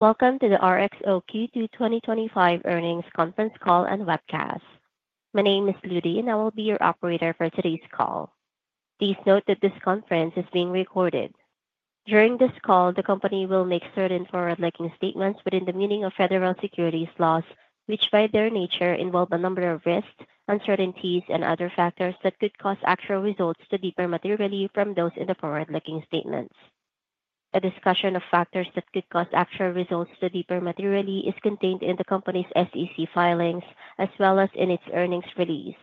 Welcome to the RXO Q2 2025 earnings conference call and webcast. My name is Ludy and I will be your operator for today's call. Please note that this conference is being recorded. During this call, the company will make certain forward-looking statements within the meaning of federal securities laws, which by their nature involve a number of risks, uncertainties, and other factors that could cause actual results to differ materially from those in the forward-looking statements. A discussion of factors that could cause actual results to differ materially is contained in the company's SEC filings as well as in its earnings release.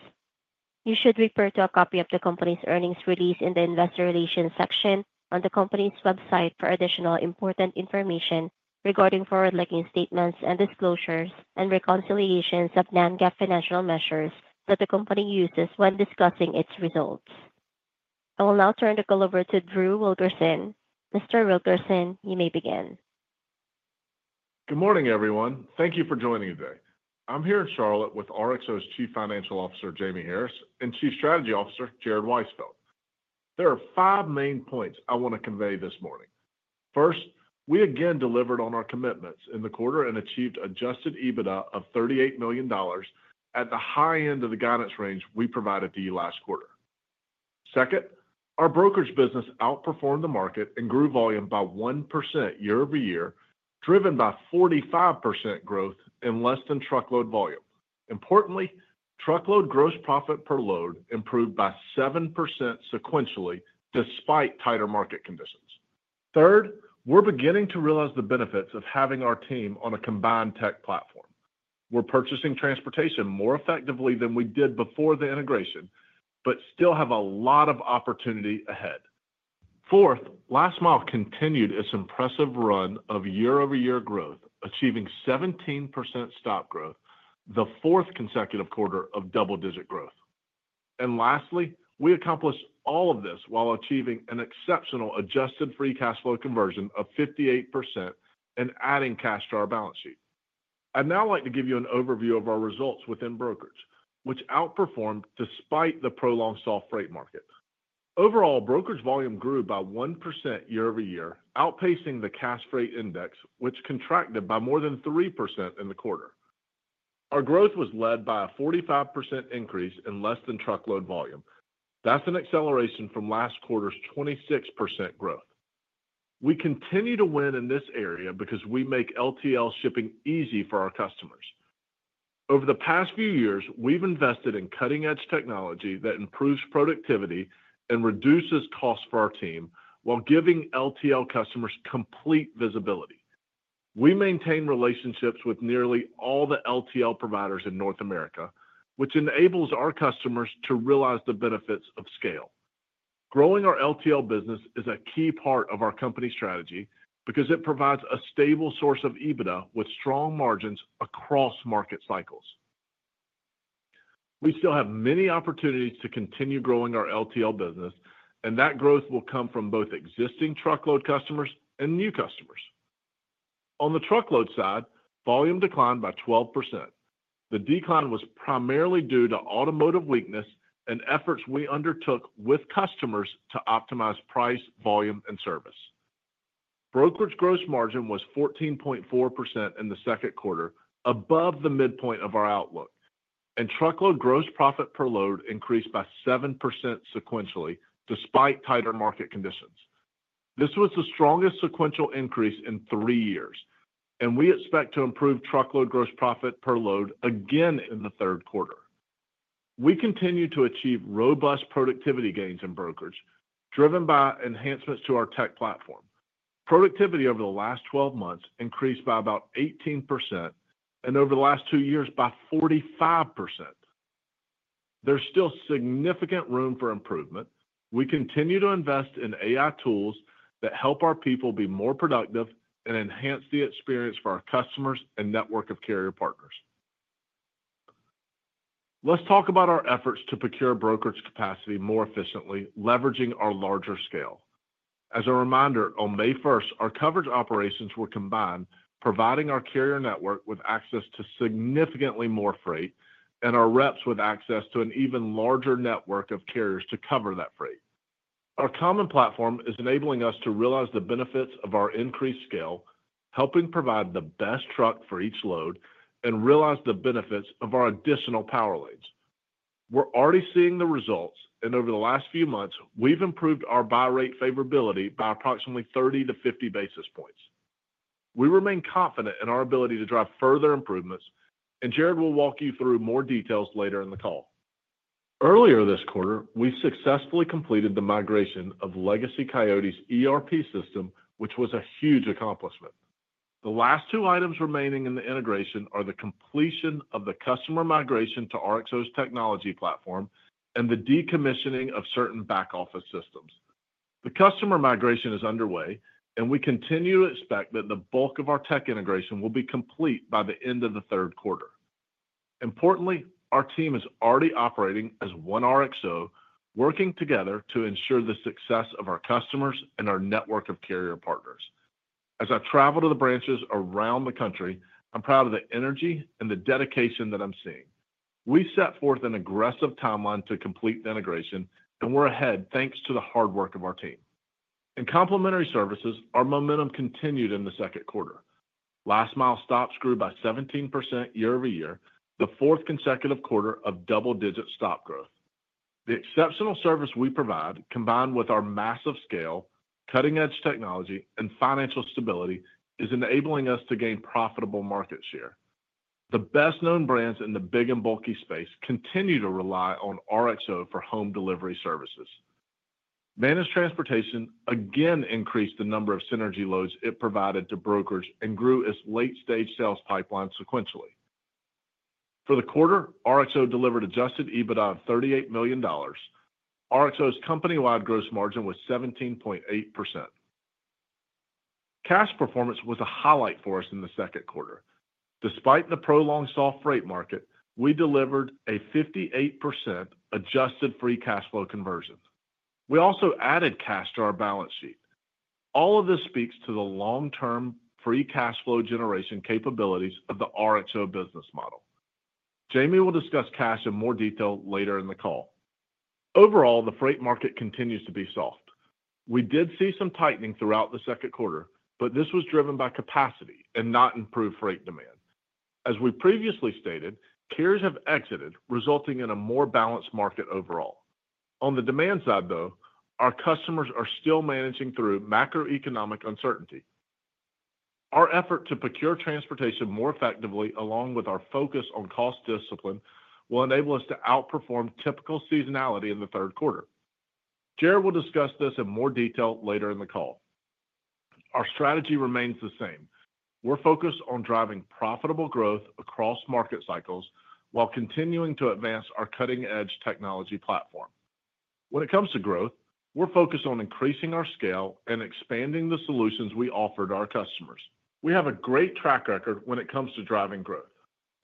You should refer to a copy of the company's earnings release in the Investor Relations section on the company's website for additional important information regarding forward-looking statements and disclosures and reconciliations of non-GAAP financial measures that the company uses when discussing its results. I will now turn the call over to Drew Wilkerson. Mr. Wilkerson, you may begin. Good morning everyone. Thank you for joining today. I'm here in Charlotte with RXO's Chief Financial Officer Jamie Harris and Chief Strategy Officer Jared Weisfeld. There are five main points I want to convey this morning. First, we again delivered on our commitments in the quarter and achieved adjusted EBITDA of $38 million at the high end of the guidance range we provided to you last quarter. Second, our brokerage business outperformed the market and grew volume by 1% year-over-year, driven by 45% growth in less-than-truckload volume. Importantly, truckload gross profit per load improved by 7% sequentially despite tighter market conditions. Third, we're beginning to realize the benefits of having our team on a combined tech platform. We're purchasing transportation more effectively than we did before the integration, but still have a lot of opportunity ahead. Fourth, last mile continued its impressive run of year-over-year growth, achieving 17% stop growth, the fourth consecutive quarter of double-digit growth. Lastly, we accomplished all of this while achieving an exceptional adjusted free cash flow conversion of 58% and adding cash to our balance sheet. I'd now like to give you an overview of our results within brokerage, which outperformed despite the prolonged soft freight market. Overall brokerage volume grew by 1% year-over-year, outpacing the Cash Freight Index which contracted by more than 3% in the quarter. Our growth was led by a 45% increase in less-than-truckload volume. That's an acceleration from last quarter's 26% growth. We continue to win in this area because we make LTL shipping easy for our customers. Over the past few years, we've invested in cutting-edge technology that improves productivity and reduces cost for our team while giving LTL customers complete visibility. We maintain relationships with nearly all the LTL providers in North America, which enables our customers to realize the benefits of scale. Growing our LTL business is a key part of our company strategy because it provides a stable source of EBITDA with strong margins across market cycles. We still have many opportunities to continue growing our LTL business, and that growth will come from both existing truckload customers and new customers. On the truckload side, volume declined by 12%. The decline was primarily due to automotive weakness and efforts we undertook with customers to optimize price, volume, and service. Brokerage gross margin was 14.4% in the second quarter, above the midpoint of our outlook, and truckload gross profit per load increased by 7% sequentially despite tighter market conditions. This was the strongest sequential increase in three years, and we expect to improve truckload gross profit per load again in the third quarter. We continue to achieve robust productivity gains in brokerage driven by enhancements to our tech platform. Productivity over the last 12 months increased by about 18%, and over the last two years by 45%. There's still significant room for improvement. We continue to invest in AI tools that help our people be more productive and enhance the experience for our customers and network of carrier partners. Let's talk about our efforts to procure brokerage capacity more efficiently, leveraging our larger scale. As a reminder, on May 1 our coverage operations were combined, providing our carrier network with access to significantly more freight and our reps with access to an even larger network of carriers to cover that freight. Our common platform is enabling us to realize the benefits of our increased scale, helping provide the best truck for each load and realize the benefits of our additional power lanes. We're already seeing the results, and over the last few months we've improved our buy rate favorability by approximately 30 to 50 basis points. We remain confident in our ability to drive further improvements, and Jared will walk you through more details later in the call. Earlier this quarter we successfully completed the migration of legacy Coyote's ERP system, which was a huge accomplishment. The last two items remaining in the integration are the completion of the customer migration to RXO's technology platform and the decommissioning of certain back office systems. The customer migration is underway, and we continue to expect that the bulk of our tech integration will be complete by the end of the third quarter. Importantly, our team is already operating as one RXO, one working together to ensure the success of our customers and our network of carrier partners. As I travel to the branches around the country, I'm proud of the energy and the dedication that I'm seeing. We set forth an aggressive timeline to complete the integration, and we're ahead. Thanks to the hard work of our team in complementary services, our momentum continued in the second quarter. Last mile stops grew by 17% year-over-year, the fourth consecutive quarter of double-digit stop growth. The exceptional service we provide, combined with our massive scale, cutting-edge technology, and financial stability, is enabling us to gain profitable market share. The best-known brands in the big and bulky space continue to rely on RXO for home delivery services. Managed transportation again increased the number of synergy loads it provided to brokers and grew its late-stage sales pipeline sequentially. For the quarter, RXO delivered adjusted EBITDA of $38 million. RXO's company-wide gross margin was 17.8%. Cash performance was a highlight for us in the second quarter. Despite the prolonged soft freight market, we delivered a 58% adjusted free cash flow conversion. We also added cash to our balance sheet. All of this speaks to the long-term free cash flow generation capabilities of the RXO business model. Jamie will discuss cash in more detail later in the call. Overall, the freight market continues to be soft. We did see some tightening throughout the second quarter, but this was driven by capacity and not improved freight demand. As we previously stated, carriers have exited, resulting in a more balanced market overall. On the demand side, though, our customers are still managing through macroeconomic uncertainty. Our effort to procure transportation more effectively, along with our focus on cost discipline, will enable us to outperform typical seasonality in the third quarter. Jared will discuss this in more detail later in the call. Our strategy remains the same. We're focused on driving profitable growth across market cycles while continuing to advance our cutting-edge technology platform. When it comes to growth, we're focused on increasing our scale and expanding the solutions we offer to our customers. We have a great track record when it comes to driving growth.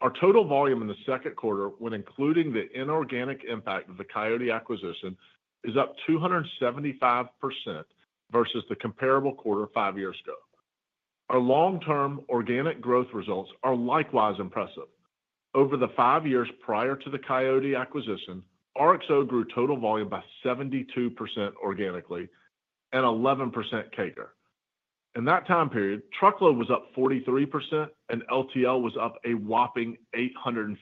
Our total volume in the second quarter, when including the inorganic impact of the Coyote acquisition, is up 275% versus the comparable quarter five years ago. Our long-term organic growth results are likewise impressive. Over the five years prior to the Coyote acquisition, RXO grew total volume by 72% organically and 11% CAGR. In that time period, truckload was up 43% and LTL was up a whopping 851%.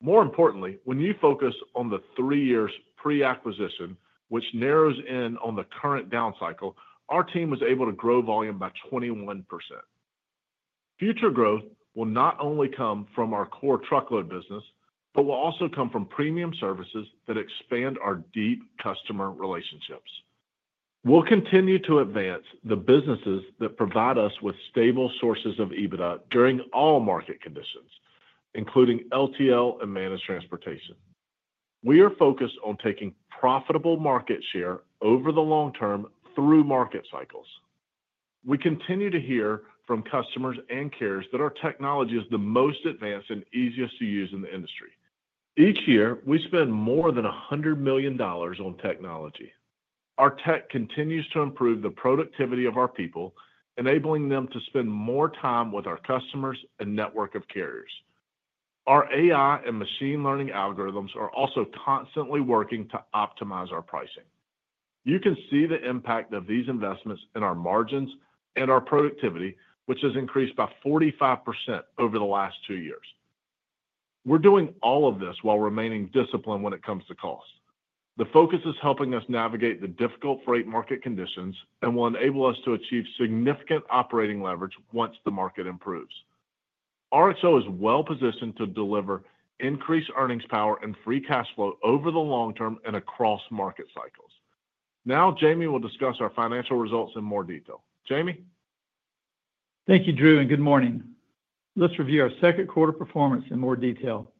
More importantly, when you focus on the three years pre-acquisition, which narrows in on the current down cycle, our team was able to grow volume by 21%. Future growth will not only come from our core truckload business, but will also come from premium services that expand our deep customer relationships. We'll continue to advance the businesses that provide us with stable sources of EBITDA during all market conditions, including LTL and managed transportation. We are focused on taking profitable market share over the long term through market cycles. We continue to hear from customers and carriers that our technology is the most advanced and easiest to use in the industry. Each year we spend more than $100 million on technology. Our tech continues to improve the productivity of our people, enabling them to spend more time with our customers and network of carriers. Our AI and machine learning algorithms are also constantly working to optimize our pricing. You can see the impact of these investments in our margins and our productivity, which has increased by 45% over the last two years. We're doing all of this while remaining disciplined when it comes to cost. The focus is helping us navigate the difficult freight market conditions and will enable us to achieve significant operating leverage once the market improves. RXO is well positioned to deliver increased earnings power and free cash flow over the long term and across market cycles. Now Jamie will discuss our financial results in more detail. Jamie, thank you Drew and good morning. Let's review our second quarter performance in more detail.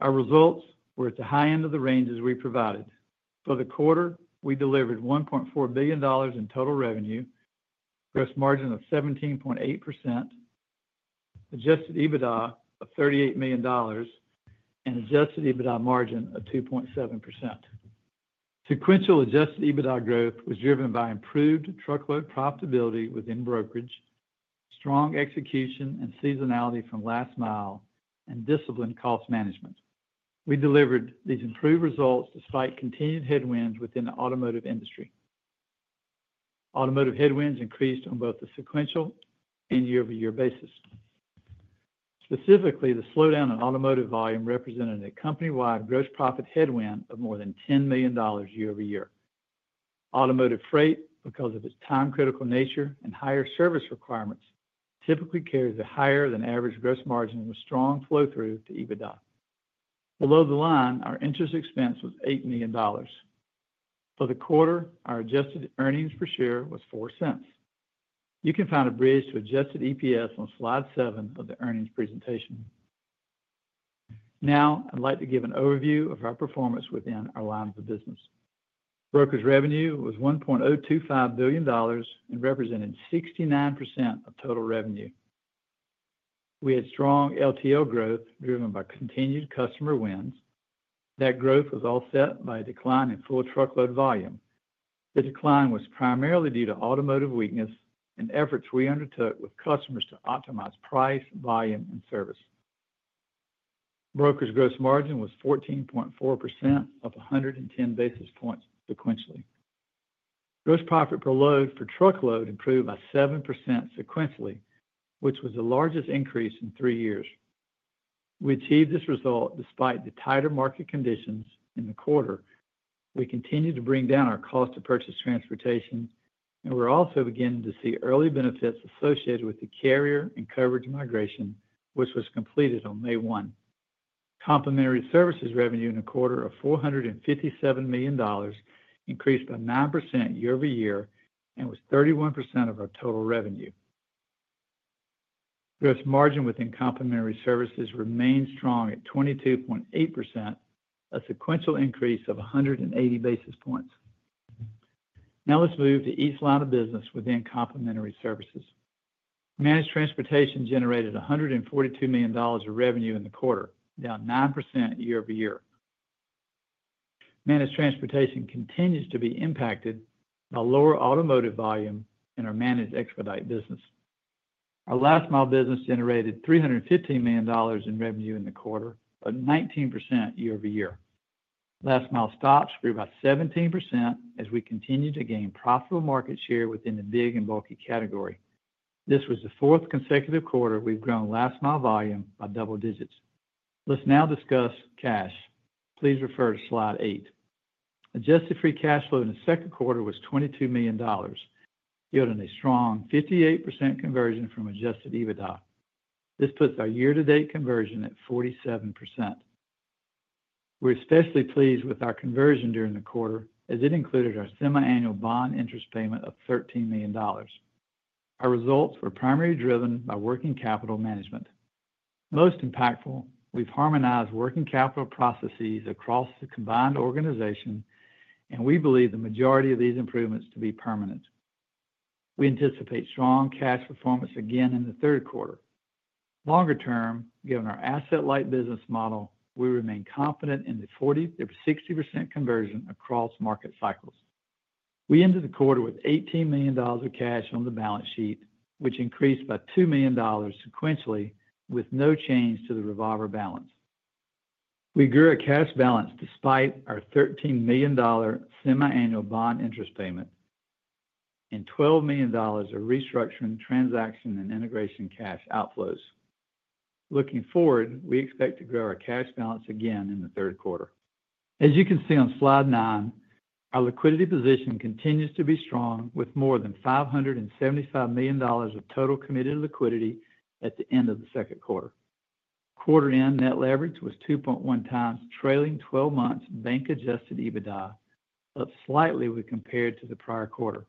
Our results were at the high end of the ranges we provided for the quarter. We delivered $1.4 billion in total revenue, gross margin of 17.8%, adjusted EBITDA of $38 million, and adjusted EBITDA margin of 2.7%. Sequential adjusted EBITDA growth was driven by improved truckload profitability within brokerage, strong execution and seasonality from last mile, and disciplined cost management. We delivered these improved results despite continued headwinds within the automotive industry. Automotive headwinds increased on both the sequential and year-over-year basis. Specifically, the slowdown in automotive volume represented a company-wide gross profit headwind of more than $10 million year-over-year. Automotive freight, because of its time-critical nature and higher service requirements, typically carries a higher than average gross margin with strong flow through to EBITDA below the line. Our interest expense was $8 million for the quarter. Our adjusted earnings per share was $0.04. You can find a bridge to adjusted EPS on slide 7 of the earnings presentation. Now I'd like to give an overview of our performance within our line of business brokers. Revenue was $1.025 billion and represented 69% of total revenue. We had strong LTL growth driven by continued customer wins. That growth was offset by a decline in full truckload volume. The decline was primarily due to automotive weakness and efforts we undertook with customers to optimize price, volume, and service brokers. Gross margin was 14.4%, up 110 basis points sequentially. Gross profit per load for truckload improved by 7% sequentially, which was the largest increase in three years. We achieved this result despite the tighter market conditions and in the quarter we continued to bring down our cost to purchase transportation and we're also beginning to see early benefits associated with the carrier and coverage migration which was completed on May 1. Complementary Services revenue in the quarter of $457 million increased by 9% year-over-year and was 31% of our total revenue. Gross margin within Complementary Services remains strong at 22.8%, a sequential increase of 180 basis points. Now let's move to each line of business within Complementary Services. Managed transportation generated $142 million of revenue in the quarter, down 9% year-over-year. Managed transportation continues to be impacted by lower automotive volume in our managed expedite business. Our last mile business generated $315 million in revenue in the quarter, up 19% year-over-year. Last mile stops grew about 17% as we continue to gain profitable market share within the big and bulky category. This was the fourth consecutive quarter we've grown last mile volume by double digits. Let's now discuss cash. Please refer to Slide 8. Adjusted free cash flow in the second quarter was $22 million, yielding a strong 58% conversion from adjusted EBITDA. This puts our year to date conversion at 47%. We're especially pleased with our conversion during the quarter as it included our semiannual bond interest payment of $13 million. Our results were primarily driven by working capital management. Most impactful, we've harmonized working capital processes across the combined organization and we believe the majority of these improvements to be permanent. We anticipate strong cash performance again in the third quarter. Longer term, given our asset-light business model, we remain confident in the 40% to 60% conversion across market cycles. We ended the quarter with $18 million of cash on the balance sheet, which increased by $2 million sequentially with no change to the revolver balance. We grew our cash balance despite our $13 million semiannual bond interest payment and $12 million of restructuring, transaction, and integration cash outflows. Looking forward, we expect to grow our cash balance again in the third quarter. As you can see on Slide 9, our liquidity position continues to be strong with more than $575 million of total committed liquidity at the end of the second quarter. Quarter end net leverage was 2.1x trailing 12 months bank adjusted EBITDA, up slightly when compared to the prior quarter.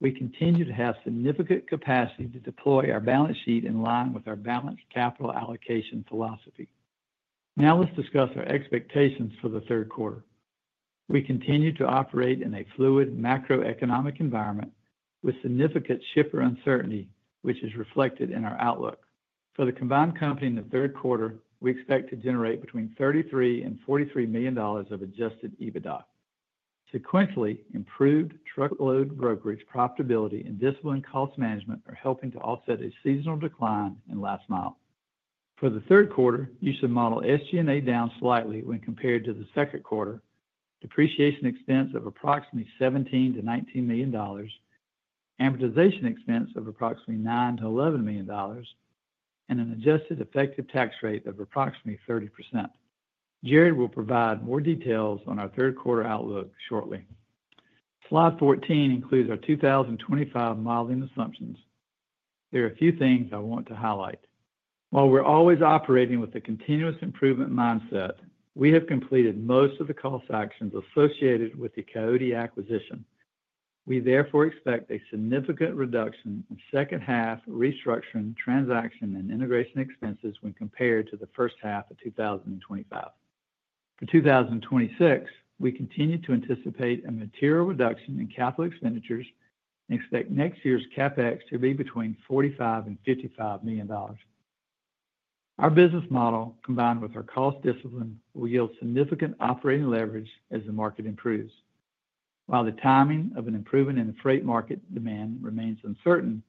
We continue to have significant capacity to deploy our balance sheet in line with our balanced capital allocation philosophy. Now let's discuss our expectations for the third quarter. We continue to operate in a fluid macroeconomic environment with significant shipper uncertainty, which is reflected in our outlook for the combined company. In the third quarter, we expect to generate between $33 million and $43 million of adjusted EBITDA sequentially. Improved truckload brokerage profitability and disciplined cost management are helping to offset a seasonal decline in last mile. For the third quarter you should model SG&A down slightly when compared to the second quarter. Depreciation expense of approximately $17 million-$19 million, amortization expense of approximately $9 million-$11 million, and an adjusted effective tax rate of approximately 30%. Jared will provide more details on our third quarter outlook shortly. Slide 14 includes our 2025 modeling assumptions. There are a few things I want to highlight. While we're always operating with a continuous improvement mindset, we have completed most of the cost actions associated with the Coyote acquisition. We therefore expect a significant reduction in second half restructuring, transaction, and integration expenses when compared to the first half of 2025. For 2026, we continue to anticipate a material reduction in capital expenditures and expect next year's CapEx to be between $45 million and $55 million. Our business model combined with our cost discipline will yield significant operating leverage as the market improves. While the timing of an improvement in the freight market demand remains uncertain,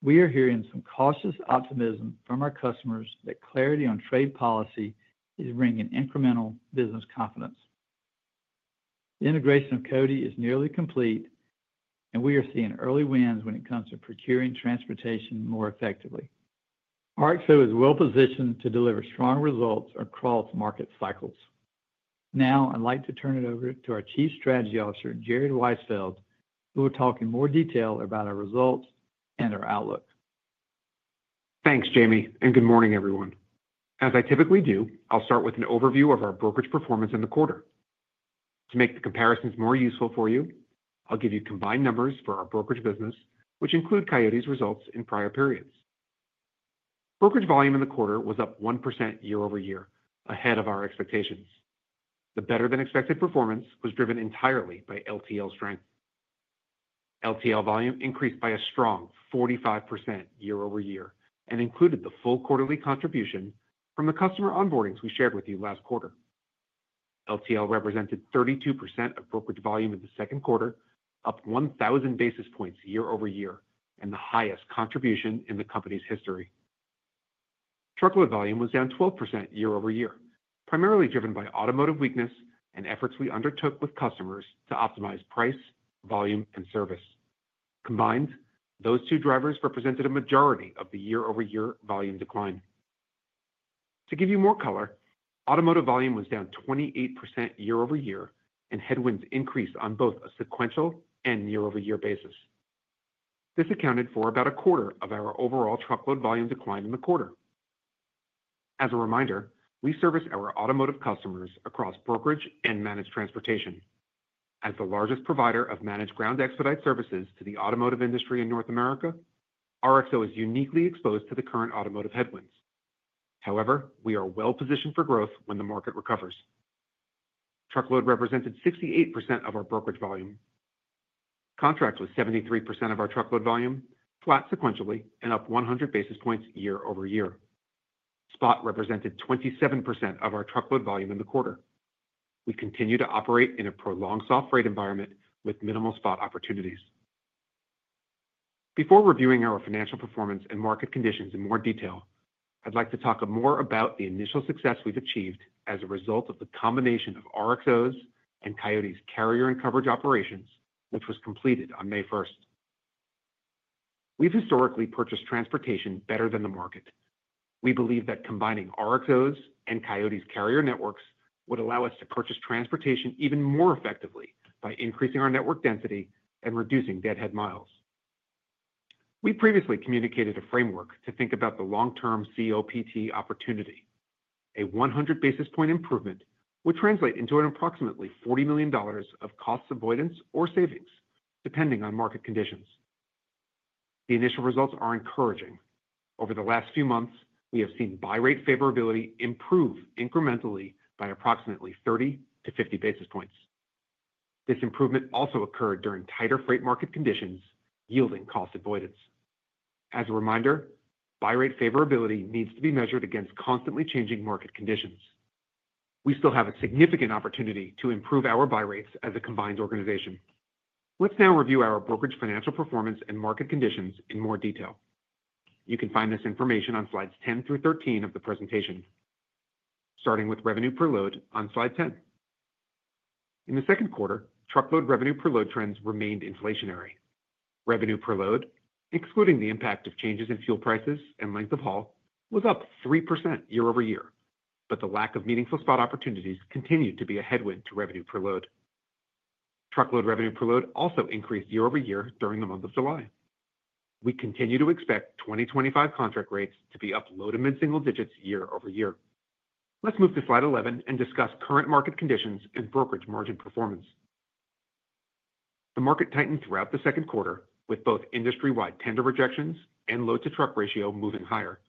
we are hearing some cautious optimism from our customers that clarity on trade policy is bringing incremental business confidence. The integration of Coyote is nearly complete and we are seeing early wins when it comes to procuring transportation more effectively. RXO is well positioned to deliver strong results across market cycles. Now I'd like to turn it over to our Chief Strategy Officer, Jared Weisfeld. We will talk in more detail about our results and our outlook. Thanks Jamie and good morning everyone. As I typically do, I'll start with an overview of our brokerage performance in the quarter to make the comparisons more useful for you. I'll give you combined numbers for our brokerage business which include Coyote's results in prior periods. Brokerage volume in the quarter was up 1% year-over-year ahead of our expectations. The better than expected performance was driven entirely by LTL strength. LTL volume increased by a strong 45% year-over-year and included the full quarterly contribution from the customer onboardings we shared with you last quarter. LTL represented 32% of brokerage volume in the second quarter, up 1,000 basis points year-over-year and the highest contribution in the company's history. Truckload volume was down 12% year-over-year, primarily driven by automotive weakness and efforts we undertook with customers to optimize price, volume, and service. Combined, those two drivers represented a majority of the year-over-year volume decline. To give you more color, automotive volume was down 28% year-over-year and headwinds increased on both a sequential and year-over-year basis. This accounted for about a quarter of our overall truckload volume decline in the quarter. As a reminder, we service our automotive customers across brokerage and managed transportation. As the largest provider of managed ground expedite services to the automotive industry in North America, RXO is uniquely exposed to the current automotive headwinds. However, we are well positioned for growth when the market recovers. Truckload represented 68% of our brokerage volume contracts with 73% of our truckload volume flat sequentially and up 100 basis points year-over-year. Spot represented 27% of our truckload volume in the quarter. We continue to operate in a prolonged soft freight environment with minimal spot opportunities. Before reviewing our financial performance and market conditions in more detail, I'd like to talk more about the initial success we've achieved as a result of the combination of RXO's and Coyote's carrier and coverage operations, which was completed on May 1st. We've historically purchased transportation better than the market. We believe that combining RXO's and Coyote's carrier networks would allow us to purchase transportation even more effectively by increasing our network density and reducing deadhead miles. We previously communicated a framework to think about the long term COPT opportunity. A 100 basis point improvement would translate into approximately $40 million of cost avoidance or savings depending on market conditions. The initial results are encouraging. Over the last few months, we have seen buy rate favorability improve incrementally by approximately 30 to 50 basis points. This improvement also occurred during tighter freight market conditions, yielding cost avoidance. As a reminder, buy rate favorability needs to be measured against constantly changing market conditions. We still have a significant opportunity to improve our buy rates as a combined organization. Let's now review our brokerage financial performance and market conditions in more detail. You can find this information on slides 10 through 13 of the presentation, starting with revenue per load on Slide 10. In the second quarter, truckload revenue per load trends remained inflationary. Revenue per load, excluding the impact of changes in fuel prices and length of haul, was up 3% year-over-year. The lack of meaningful spot opportunities continued to be a headwind to revenue per load. Truckload revenue per load also increased year-over-year. During the month of July, we continue to expect 2025 contract rates to be up low to mid single digits year-over-year. Let's move to Slide 11 and discuss current market conditions and brokerage margin performance. The market tightened throughout the second quarter with both industry-wide tender rejections and load to truck ratio moving higher.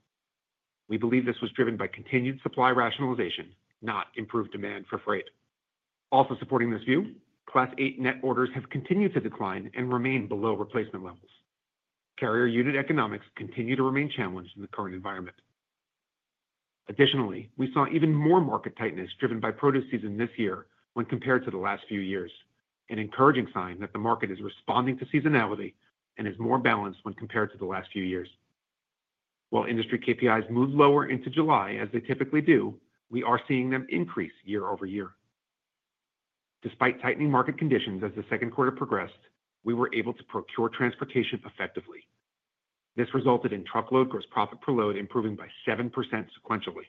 We believe this was driven by continued supply rationalization, not improved demand for freight. Also supporting this view, Class 8 net orders have continued to decline and remain below replacement levels. Carrier unit economics continue to remain challenged in the current environment. Additionally, we saw even more market tightness driven by produce season this year when compared to the last few years, an encouraging sign that the market is responding to seasonality and is more balanced when compared to the last few years. While industry KPIs move lower into July as they typically do, we are seeing them increase year-over-year despite tightening market conditions. As the second quarter progressed, we were able to procure transportation effectively. This resulted in truckload gross profit per load improving by 7% sequentially.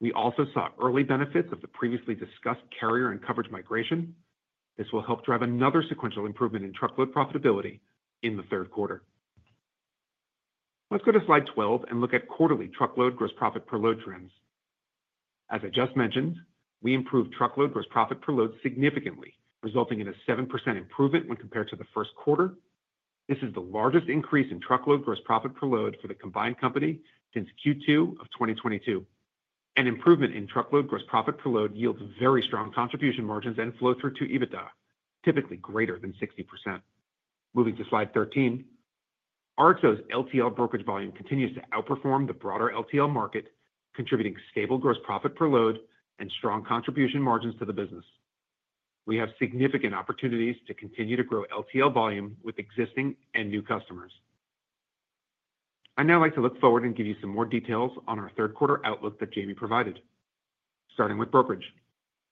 We also saw early benefits of the previously discussed carrier and coverage migration. This will help drive another sequential improvement in truckload profitability in the third quarter. Let's go to Slide 12 and look at quarterly truckload gross profit per load trends. As I just mentioned, we improved truckload gross profit per load significantly, resulting in a 7% improvement when compared to the first quarter. This is the largest increase in truckload gross profit per load for the combined company since Q2 of 2022. An improvement in truckload gross profit per load yields very strong contribution margins and flow through to EBITDA typically greater than 60%. Moving to Slide 13, RXO's LTL brokerage volume continues to outperform the broader LTL market, contributing stable gross profit per load and strong contribution margins to the business. We have significant opportunities to continue to grow LTL volume with existing and new customers. I'd now like to look forward and give you some more details on our third quarter outlook that Jamie provided. Starting with brokerage,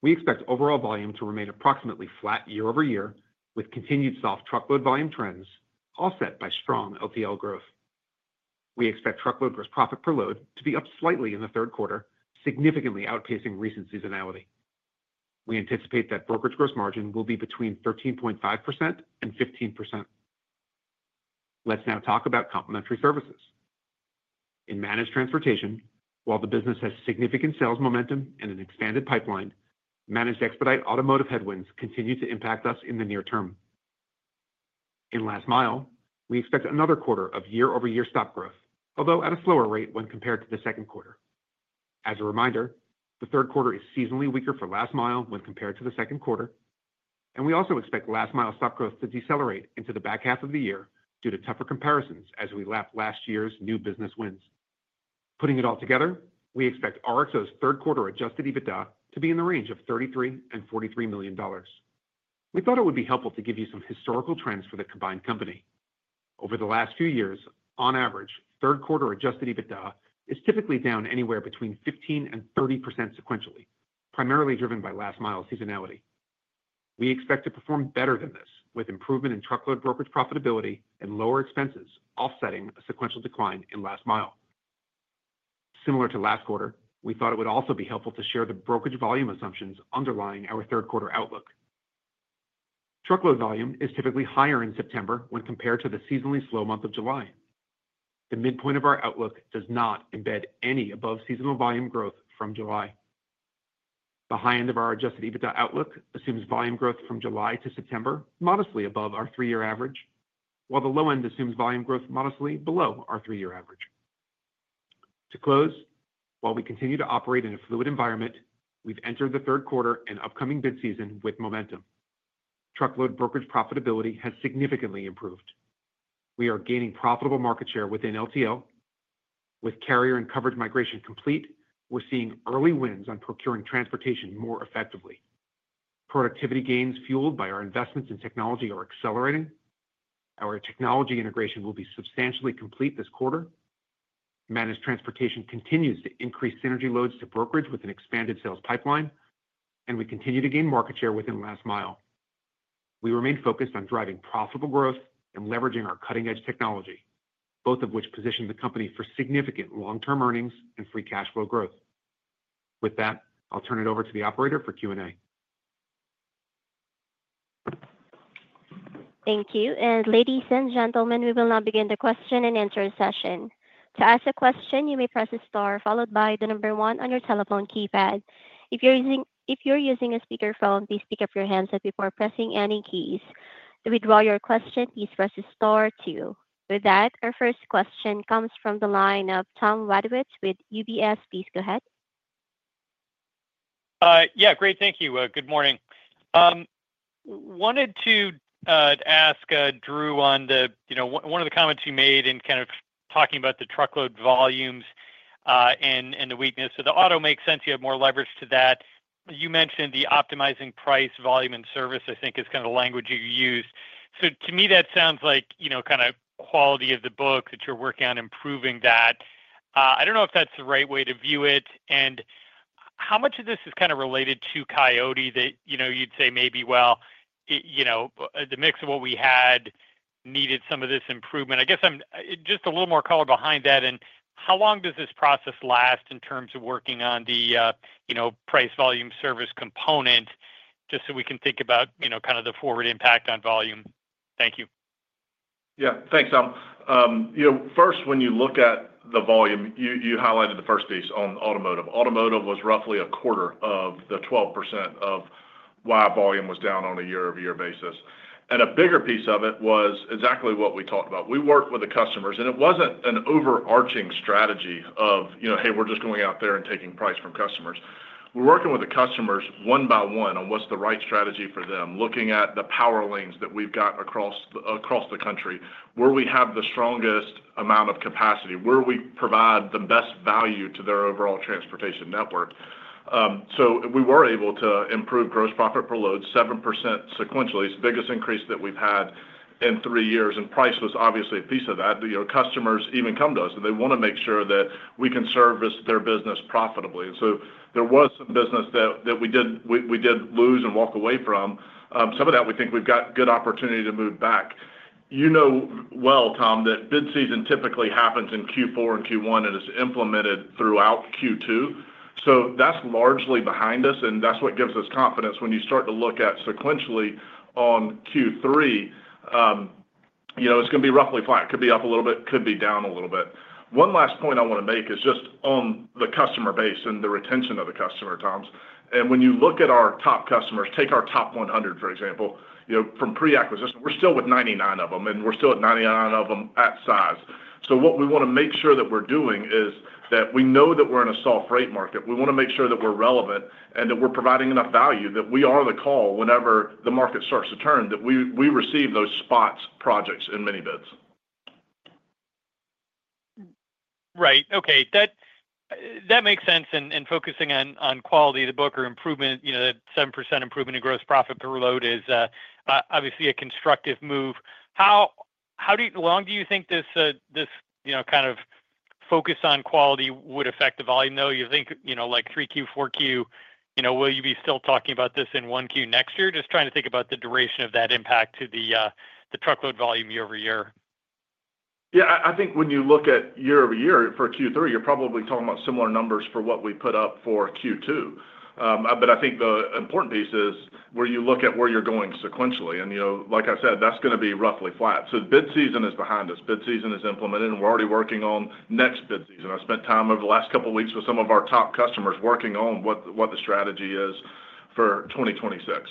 we expect overall volume to remain approximately flat year-over-year with continued soft truckload volume trends offset by strong LTL growth. We expect truckload gross profit per load to be up slightly in the third quarter, significantly outpacing recent seasonality. We anticipate that brokerage gross margin will be between 13.5% and 15%. Let's now talk about complementary services in managed transportation. While the business has significant sales momentum and an expanded pipeline, managed expedite automotive headwinds continue to impact us in the near term. In last mile, we expect another quarter of year-over-year stop growth, although at a slower rate when compared to the second quarter. As a reminder, the third quarter is seasonally weaker for last mile when compared to the second quarter, and we also expect last mile stop growth to decelerate into the back half of the year due to tougher comparisons as we lap last year's new business wins. Putting it all together, we expect RXO's third quarter adjusted EBITDA to be in the range of $33 million and $43 million. We thought it would be helpful to give you some historical trends for the combined company over the last few years. On average, third quarter adjusted EBITDA is typically down anywhere between 15% and 30% sequentially, primarily driven by last mile seasonality. We expect to perform better than this with improvement in truckload brokerage profitability and lower expenses offsetting a sequential decline in last mile similar to last quarter. We thought it would also be helpful to share the brokerage volume assumptions underlying our third quarter outlook. Truckload volume is typically higher in September when compared to the seasonally slow month of July. The midpoint of our outlook does not embed any above seasonal volume growth from July. The high end of our adjusted EBITDA outlook assumes volume growth from July to September modestly above our three year average, while the low end assumes volume growth modestly below our three year average. While we continue to operate in a fluid environment, we've entered the third quarter and upcoming bid season with momentum. Truckload brokerage profitability has significantly improved. We are gaining profitable market share within LTL. With carrier and coverage migration complete, we're seeing early wins on procuring transportation more effectively. Productivity gains fueled by our investments in technology are accelerating. Our technology integration will be substantially complete this quarter. Managed transportation continues to increase synergy loads to brokerage with an expanded sales pipeline, and we continue to gain market share within last mile. We remain focused on driving profitable growth and leveraging our cutting edge technology, both of which position the company for significant long term earnings and free cash flow growth. With that, I'll turn it over to the operator for Q and A. Thank you, and ladies and gentlemen, we will now begin the question and answer session. To ask a question, you may press star followed by the number one on your telephone keypad. If you're using a speakerphone, please pick up your handset before pressing any keys. To withdraw your question, please press star two. With that, our first question comes from the line of Tom Wadewitz with UBS. Please go ahead. Yeah, great. Thank you. Good morning. Wanted to ask Drew on the, you know, one of the comments you made in kind of talking about the truckload volumes and the weakness of the auto makes sense. You have more leverage to that. You mentioned the optimizing price, volume, and service I think is kind of the language you use. To me that sounds like, you know, kind of quality of the book that you're working on improving that. I don't know if that's the right way to view it. How much of this is kind of related to Coyote that, you know, you'd say maybe. You know, the mix of what we had needed some of this improvement. I guess I'm just a little more color behind that. How long does this process last in terms of working on the, you know, price, volume, service component too, just so we can think about, you know, kind of the forward impact on volume. Thank you. Yeah, thanks. First, when you look at the volume, you highlighted the first piece on automotive. Automotive was roughly a quarter of the 12% of why volume was down on a year-over-year basis. A bigger piece of it was exactly what we talked about. We worked with the customers, and it wasn't an overarching strategy of, you know, hey, we're just going out there and taking price from customers. We're working with the customers one by one on what's the right strategy for them, looking at the power lanes that we've got across the country where we have the strongest amount of capacity, where we provide the best value to their overall transportation network. We were able to improve gross profit per load 7% sequentially. It's the biggest increase that we've had in three years, and price was obviously a piece of that. Our customers even come to us, and they want to make sure that we can service their business profitably. There was some business that we did lose and walked away from some of that. We think we've got good opportunity to move back. That bid season typically happens in Q4 and Q1 and is implemented throughout Q2. That's largely behind us, and that's what gives us confidence when you start to look at sequentially on Q3. It's going to be roughly flat. It could be up a little bit, could be down a little bit. One last point I want to make is just on the customer base and the retention of the customer terms. When you look at our top customers, take our top 100, for example, from pre-acquisition, we're still with 99 of them, and we're still at 99 of them at size. What we want to make sure that we're doing is that we know that we're in a soft rate market. We want to make sure that we're relevant and that we're providing enough value that we are the call whenever the market starts to turn, that we receive those spots, projects, and mini bids. Right. Okay, that makes sense. Focusing on quality of the book or improvement, you know, that 7% improvement in gross profit per load is obviously a constructive move. How long do you think this, you know, kind of focus on quality would affect the volume though? You think, you know, like 3Q, 4Q, you know, will you be still talking about this in 1Q next year? Just trying to think about the duration of that impact to the truckload volume year-over-year. Yeah, I think when you look at year-over-year for Q3, you're probably talking about similar numbers for what we put up for Q2. I think the important piece is where you look at where you're going sequentially, and you know, like I said, that's going to be roughly flat. Bid season is behind us. Bid season is implemented, and we're already working on next bid season. I spent time over the last couple of weeks with some of our top customers working on what the strategy is for 2026.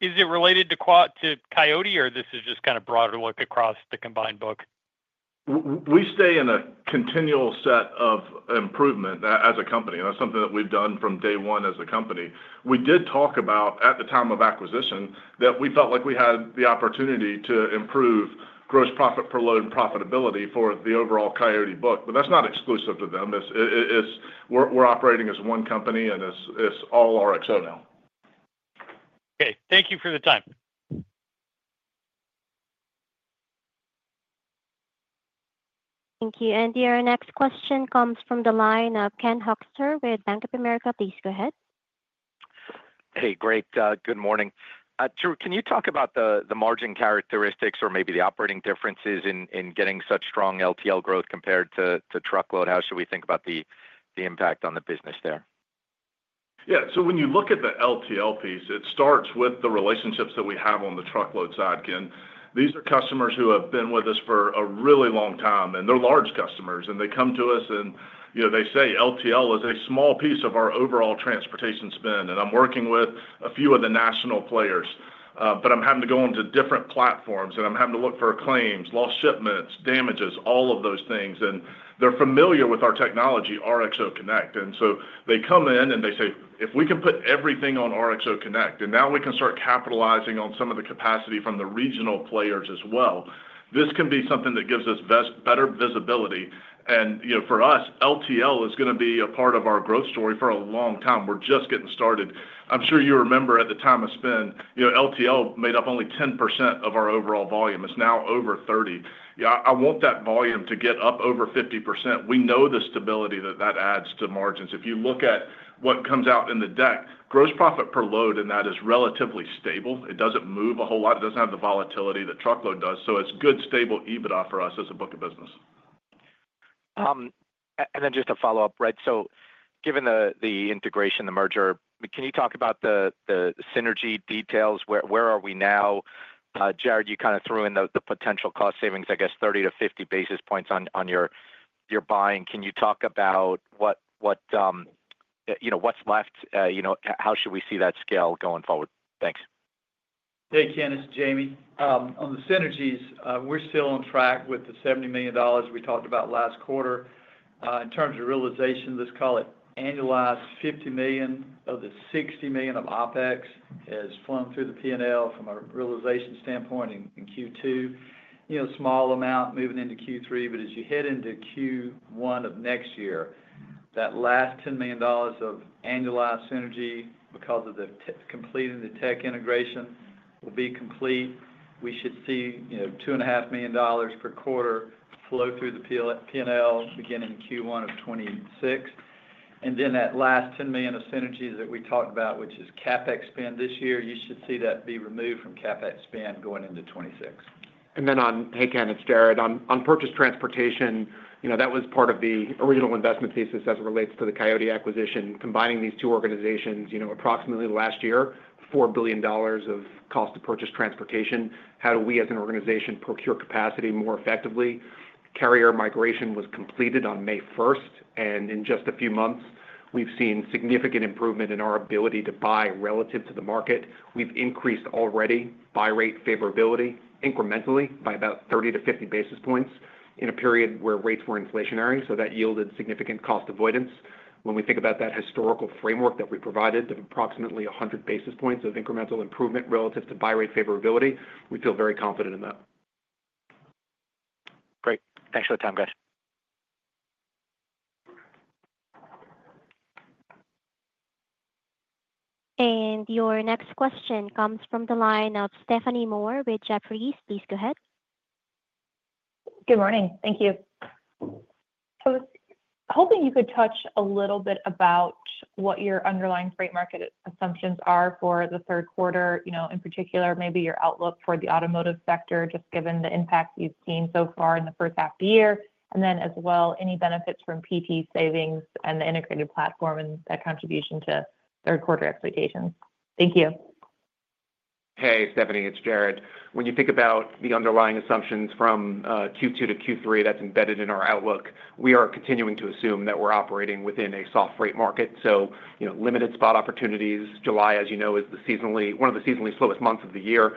Is it related to Coyote, or is this just kind of a broader look across the combined book? We stay in a continual set of improvement as a company. That's something that we've done from day one as a company. We did talk about at the time of acquisition that we felt like we had the opportunity to improve gross profit per load and profitability for the overall Coyote book. That is not exclusive to them. We're operating as one company and it's all RXO now. Okay, thank you for the time. Thank you, Andy. Our next question comes from the line of Ken Hoexter with Bank of America. Please go ahead. Hey, great. Good morning, Drew. Can you talk about the margin characteristics? Maybe the operating differences in getting such strong LTL growth compared to truckload? How should we think about the impact on the business there. Yeah.When you look at the LTL piece, it starts with the relationships that we have on the truckload side, Ken. These are customers who have been with us for a really long time and they're large customers. They come to us and they say LTL is a small piece of our overall transportation spend. I'm working with a few of the national players, but I'm having to go on to different platforms and I'm having to look for claims, lost shipments, damages, all of those things. They're familiar with our technology, RXO Connect. They come in and they say if we can put everything on RXO Connect and now we can start capitalizing on some of the capacity from the regional players as well, this can be something that gives us better visibility. For us, LTL is going to be a part of our growth story for a long time. We're just getting started. I'm sure you remember at the time of spin, LTL made up only 10% of our overall volume. It's now over 30%. I want that volume to get up over 50%. We know the stability that that adds to margins. If you look at what comes out in the deck, gross profit per load is relatively stable. It doesn't move a whole lot. It doesn't have the volatility that truckload does. It's good, stable EBITDA for us as a book of business. Just a follow up. Given the integration, the merger, can you talk about the synergy details? Where are we now, Jared? You kind of threw in the potential cost savings, I guess 30 to 50 basis points on your buying. Can you talk about what, you know, what's left, you know, how should. We see that scale going forward? Thanks. Hey Ken, it's Jamie on the synergies. We're still on track with the $70 million we talked about last quarter in terms of realization, let's call it annualized. $50 million of the $60 million of OpEx has flown through the P&L from a realization standpoint in Q2, small amount moving into Q3. As you head into Q1, that last $10 million of annualized synergy, because of completing the tech integration, will be complete. We should see $2.5 million per quarter flow through the P&L beginning in Q1 of 2026, and then that last $10 million of synergies that we talked about, which is CapEx spend this year, you should see that be removed from CapEx spend going into 2026. Hey Ken, it's Jared on. On purchase transportation, that was part of the original investment thesis as it relates to Coyote. Combining these two organizations, approximately last year $4 billion of cost to purchase transportation. How do we as an organization procure capacity more effectively? Carrier migration was completed on May 1st, and in just a few months we've seen significant improvement in our ability to buy relative to the market. We've increased already buy rate favorability incrementally by about 30 to 50 basis points in a period where rates were inflationary. That yielded significant cost avoidance. When we think about that historical framework that we provided of approximately 100 basis points of incremental improvement relative to buy rate favorability, we feel very confident in that. Great. Thanks for the time, guys. Your next question comes from the line of Stephanie Moore with Jefferies. Please go ahead. Good morning. Thank you. Hoping you could touch a little bit about what your underlying freight market assumptions are for the third quarter. In particular, maybe your outlook for the automotive sector just given the impact you've seen so far in the first half of the year, and then as well any benefits from PT savings and the integrated platform and that contribution to third quarter expectations. Thank you. Hey Stephanie, it's Jared. When you think about the underlying assumptions from Q2 to Q3 that's embedded in our outlook, we are continuing to assume that we're operating within a soft freight market. You know, limited spot opportunities. July, as you know, is one of the seasonally slowest months of the year.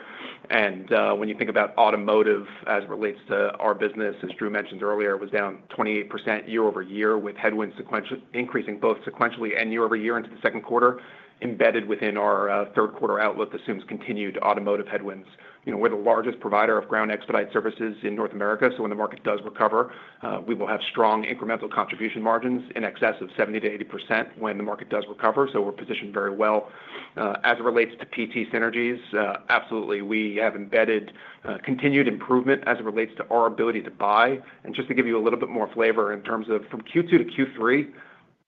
When you think about automotive as it relates to our business, as Drew mentioned earlier, it was down 28% year-over-year with headwinds increasing both sequentially and year-over-year into the second quarter. Embedded within our third quarter outlook assumes continued automotive headwinds. We're the largest provider of ground expedite services in North America. When the market does recover, we will have strong incremental contribution margins in excess of 70%-80% when the market does recover. We're positioned very well as it relates to PT synergies. Absolutely, we have embedded continued improvement as it relates to our ability to buy. Just to give you a little bit more flavor in terms of from Q2 to Q3,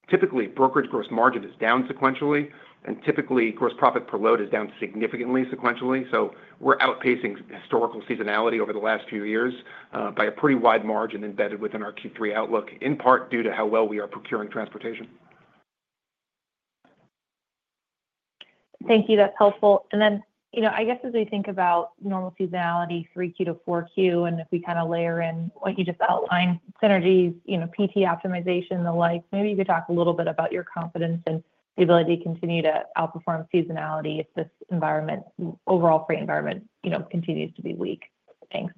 typically brokerage gross margin is down sequentially and typically gross profit per load is down significantly sequentially. We're outpacing historical seasonality over the last few years by a pretty wide margin embedded within our Q3 outlook, in part due to how well we are procuring transportation. Thank you, that's helpful. As we think about normal seasonality, 3Q to 4Q, and if we kind of layer in what you just outlined, synergies, PT optimization, the like, maybe you could talk a little bit about your confidence and the ability to continue to outperform seasonality if this environment, overall freight environment, continues to be weak. Thanks.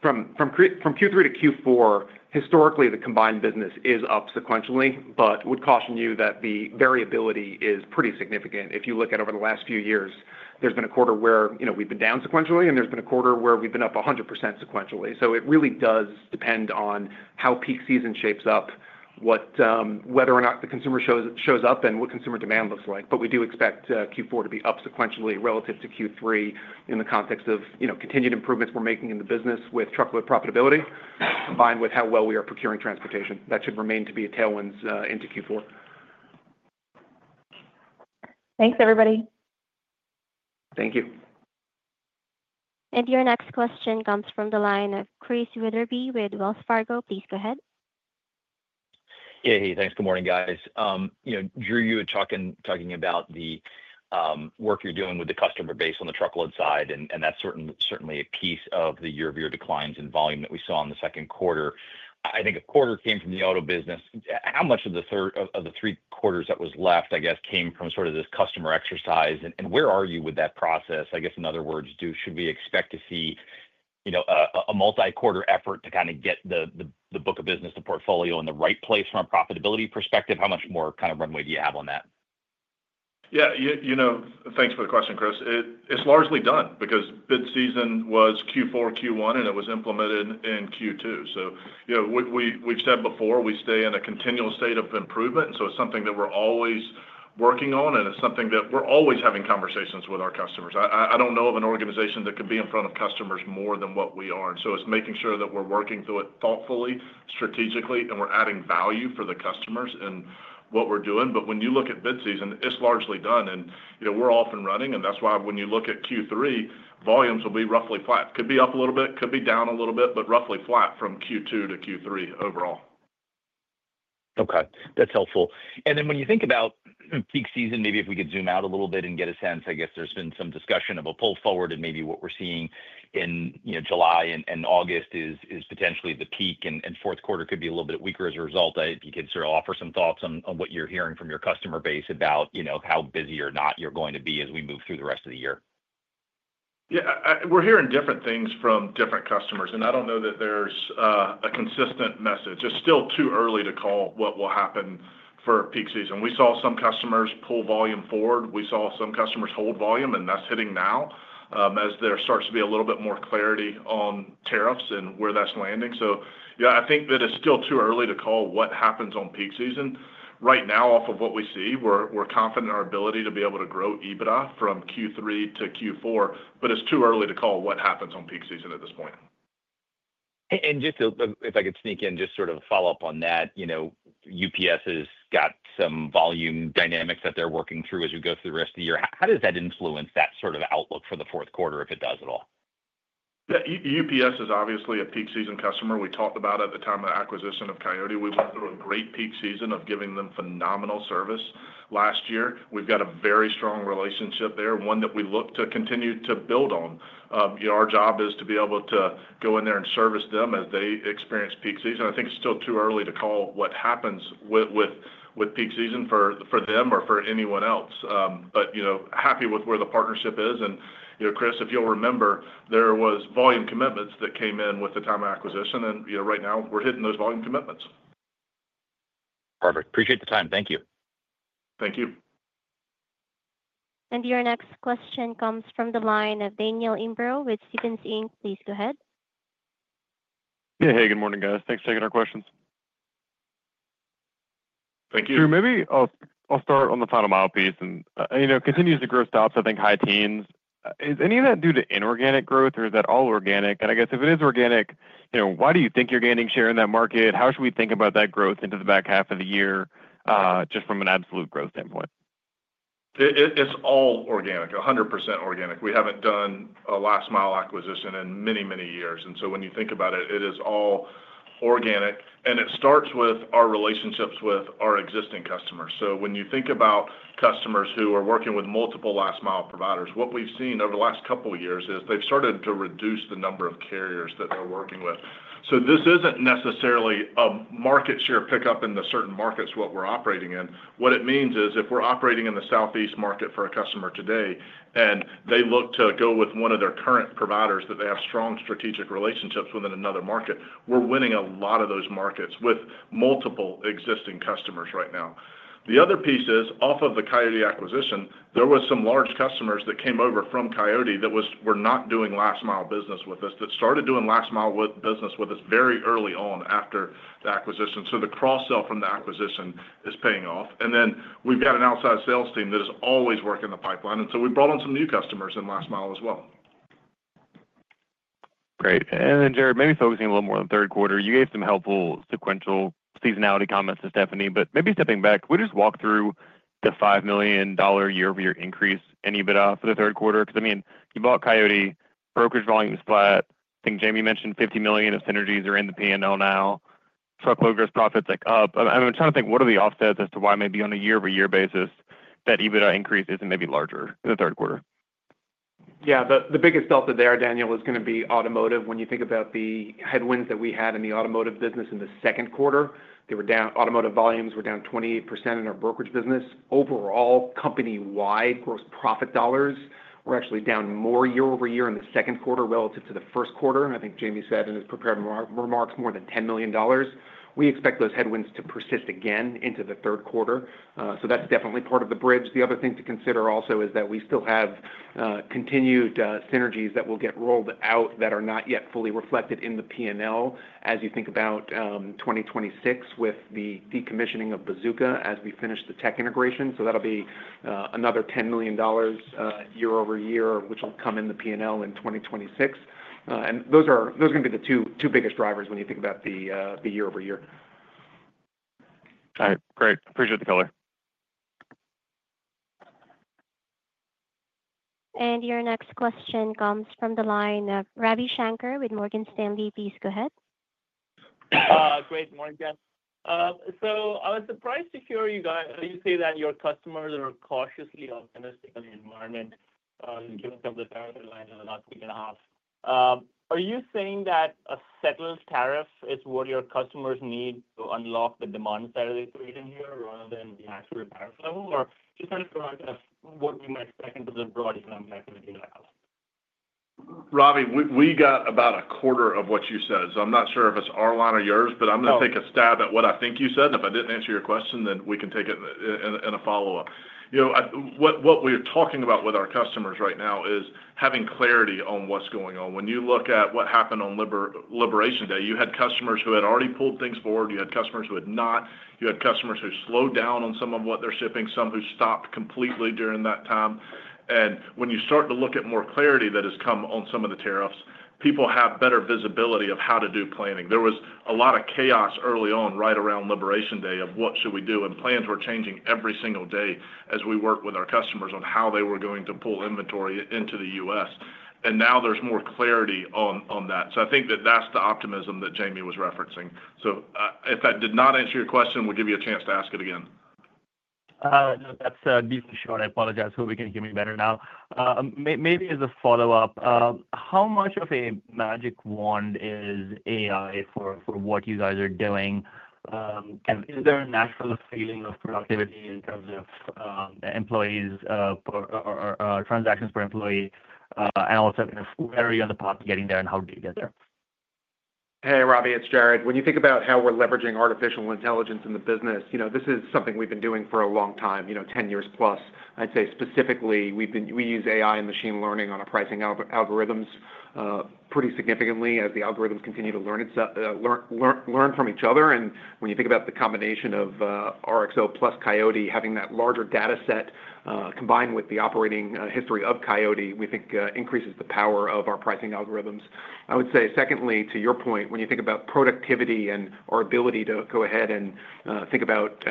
From Q3 to Q4 historically the combined business is up sequentially, but would caution you that the variability is pretty significant. If you look at over the last few years, there's been a quarter where we've been down sequentially and there's been a quarter where we've been up 100% sequentially. It really does depend on how peak season shapes up, whether or not the consumer shows up and what consumer demand looks like. We do expect Q4 to be up sequentially relative to Q3 in the context of continued improvements we're making in the business with truckload profitability combined with how well we are procuring transportation, that should remain to be a tailwind into Q4. Thanks everybody. Thank you. Your next question comes from the line of Chris Wetherbee with Wells Fargo. Please go ahead. Hey, thanks. Good morning, guys. You know, Drew, you were talking about the work you're doing with the. Customer base on the truckload side. That's certainly a piece of the year-over-year declines in volume that we saw in the second quarter. I think a quarter came from the auto business. How much of the third of the Three quarters that was left, I guess. Came from sort of this customer exercise. Where are you with that process? I guess, in other words, should we expect to see, you know, a. Multi-quarter effort to kind of get the book of business to portfolio in the right place. From a profitability perspective, how much more kind of runway do you have on that? Yeah, you know, thanks for the question, Chris. It's largely done because bid season was Q4, Q1, and it was implemented in Q2. We've said before we stay in a continual state of improvement, and it's something that we're always working on and it's something that we're always having conversations with our customers. I don't know of an organization that could be in front of customers more than what we are. It's making sure that we're working through it thoughtfully, strategically, and we're adding value for the customers and what we're doing. When you look at bid season, it's largely done and, you know, we're off and running. That's why when you look at Q3, volumes will be roughly flat. Could be up a little bit, could be down a little bit, but roughly flat from Q2 to Q3 overall. Okay, that's helpful. When you think about peak season, maybe if we could zoom out. A little bit and get a sense. I guess there's been some discussion. A pull forward, and maybe what we're seeing in July and August is potentially. The peak and fourth quarter could be a little bit weaker as a result. If you could sort of offer some thoughts on what you're hearing from your customer base about how busy or not you're going to be as we move through the rest of the year. We're hearing different things from different customers, and I don't know that there's a consistent message. It's still too early to call what will happen for peak season. We saw some customers pull volume forward, and we saw some customers hold volume. That's hitting now as there starts to be a little bit more clarity on tariffs and where that's landing. I think that it's still too early to call what happens on peak season right now off of what we see. We're confident in our ability to be able to grow EBITDA from Q3 to Q4, but it's too early to call what happens on peak season at this point. If I could sneak in. Just sort of follow up on that. You know, UPS has got some volume dynamics that they're working through as you go through the rest of the year. How does that influence that sort of outlook for the fourth quarter, if it does at all? UPS is obviously a peak season customer we talked about at the time of acquisition of Coyote. We've been through a great peak season of giving them phenomenal service last year. We've got a very strong relationship there, one that we look to continue to build on. Our job is to be able to go in there and service them as they experience peak season. I think it's still too early to call what happens with peak season for them or for anyone else. Happy with where the partnership is. Chris, if you'll remember, there was volume commitments that came in with the time acquisition and right now we're hitting those volume commitments. Perfect. Appreciate the time. Thank you. Thank you. Your next question comes from the line of Daniel Imbro with Stephens Inc. Please go ahead. Yeah.Hey, good morning guys. Thanks for taking our questions. Thank you. Maybe I'll start on the final mile piece and you know, continues to. Growth stops, I think high teens. Is any of that due to inorganic growth or is that all organic? I guess if it is organic. Why do you think you're gaining share in that market? How should we think about that growth? Into the back half of the year? Just from an absolute growth standpoint, it's All organic, 100% organic. We haven't done a last mile acquisition in many, many years. When you think about it, it is all organic. It starts with our relationships with our existing customers. When you think about customers who are working with multiple last mile providers, what we've seen over the last couple of years is they've started to reduce the number of carriers that they're working with. This isn't necessarily a market share pickup in the certain markets we are operating in. What it means is if we're operating in the southeast market for a customer today and they look to go with one of their current providers that they have strong strategic relationships with in another market, we're winning a lot of those markets with multiple existing customers right now. The other piece is off of the Coyote acquisition. There were some large customers that came over from Coyote that were not doing last mile business with us that started doing last mile business with us very early on after the acquisition. The cross sell from the acquisition is paying off. We've got an outside sales team that is always working the pipeline, and we brought on some new customers in last mile as well. Great. Jared, maybe focusing a little more on the third quarter. You gave some helpful sequential seasonality comments to Stephanie. Maybe stepping back, we just walked. Through the $5 million year-over-year increase in EBITDA for the third quarter because I mean you bought Coyote, brokerage volume splat. I think Jamie mentioned $50 million of synergies are in the P&L. Now truckload gross profits like up. I'm trying to think what are the offsets as to why maybe on a year-over-year basis that EBITDA increase. Isn't maybe larger in the third quarter. Yeah, the biggest delta there, Daniel, is going to be automotive. When you think about the headwinds that we had in the automotive business in the second quarter, they were down. Automotive volumes were down 20% in our brokerage business overall, company-wide gross profit dollars were actually down more year-over-year in the second quarter relative to the first quarter. I think Jamie said in his prepared remarks, more than $10 million. We expect those headwinds to persist again into the third quarter. That's definitely part of the bridge. The other thing to consider is that we still have continued synergies that will get rolled out that are not yet fully reflected in the P&L as you think about 2026 with the decommissioning of Bazooka as we finish the tech integration. That'll be another $10 million year-over-year, which will come in the P&L in 2026. Those are going to be the two biggest drivers when you think about the year-over-year. All right, great. Appreciate the color. Your next question comes from the line of Ravi Shankar with Morgan Stanley. Please go ahead. Great, Morgan. I was surprised to hear you guys say that your customers are cautiously. Optimistic on the environment given some of the tariff lines of the last week and a half. Are you saying that a settled tariff is what your customers need to unlock the demand side they're creating here, rather than the actual tariff level, or just kind of provide us what we might expect into the broad economic activity level? Ravi, we got about a quarter of what you said, so I'm not sure if it's our line or yours, but I'm going to take a stab at what I think you said. If I didn't answer your question, then we can take it in a follow-up. You know, what we're talking about with our customers right now is having clarity on what's going on. When you look at what happened on Liberation Day, you had customers who had already pulled things forward. You had customers who had not. You had customers who slowed down on some of what they're shipping, some who stopped completely during that time. When you start to look at more clarity that has come on, some of the tariffs, people have better visibility of how to do planning. There was a lot of chaos early on right around Liberation Day of what should we do? Plans were changing every single day as we worked with our customers on how they were going to pull inventory into the U.S. and now there's more clarity on that. I think that that's the optimism that Jamie was referencing. If that did not answer your question, we'll give you a chance to ask it again. That's deeply short. I apologize. Hope you can hear me better now. Maybe as a follow up, how much? A magic wand is AI for. What are you guys doing? Is there a natural feeling of productivity in terms of employees, transactions per employee? Also, where are you on the path to getting there and how do you get there? Hey, Ravi, it's Jared. When you think about how we're leveraging artificial intelligence in the business, this is something we've been doing for a long time, 10 years+. I'd say specifically we've been. We use AI and machine learning on our pricing algorithms pretty significantly as the algorithms continue to learn from each other. When you think about the combination of RXO plus Coyote, having that larger data set combined with the operating history of Coyote, we think increases the power of our pricing algorithms. I would say secondly, to your point, when you think about productivity and our ability to go ahead and think about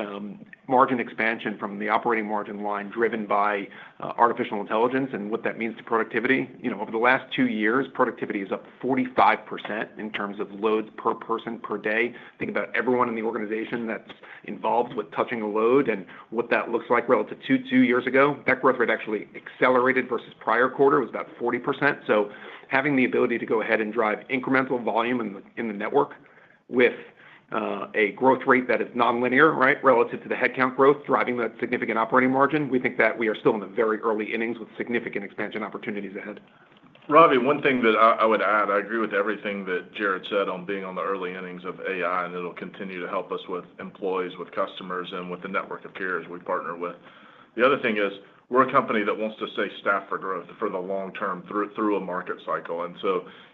margin expansion from the operating margin line driven by artificial intelligence and what that means to productivity, over the last two years, productivity is up 45% in terms of loads per person per day. Think about everyone in the organization that's involved with touching a load and what that looks like relative to two years ago. That growth rate actually accelerated versus prior quarter, was about 40%. Having the ability to go ahead and drive incremental volume in the network with a growth rate that is nonlinear, right, relative to the headcount growth driving that significant operating margin, we think that we are still in the very early innings with significant expansion opportunities ahead. Ravi, one thing that I would add, I agree with everything that Jared said on being on the early innings of AI, and it will continue to help us with employees, with customers, and with the network of peers we partner with. The other thing is we're a company that wants to stay staffed for growth for the long term through a market cycle.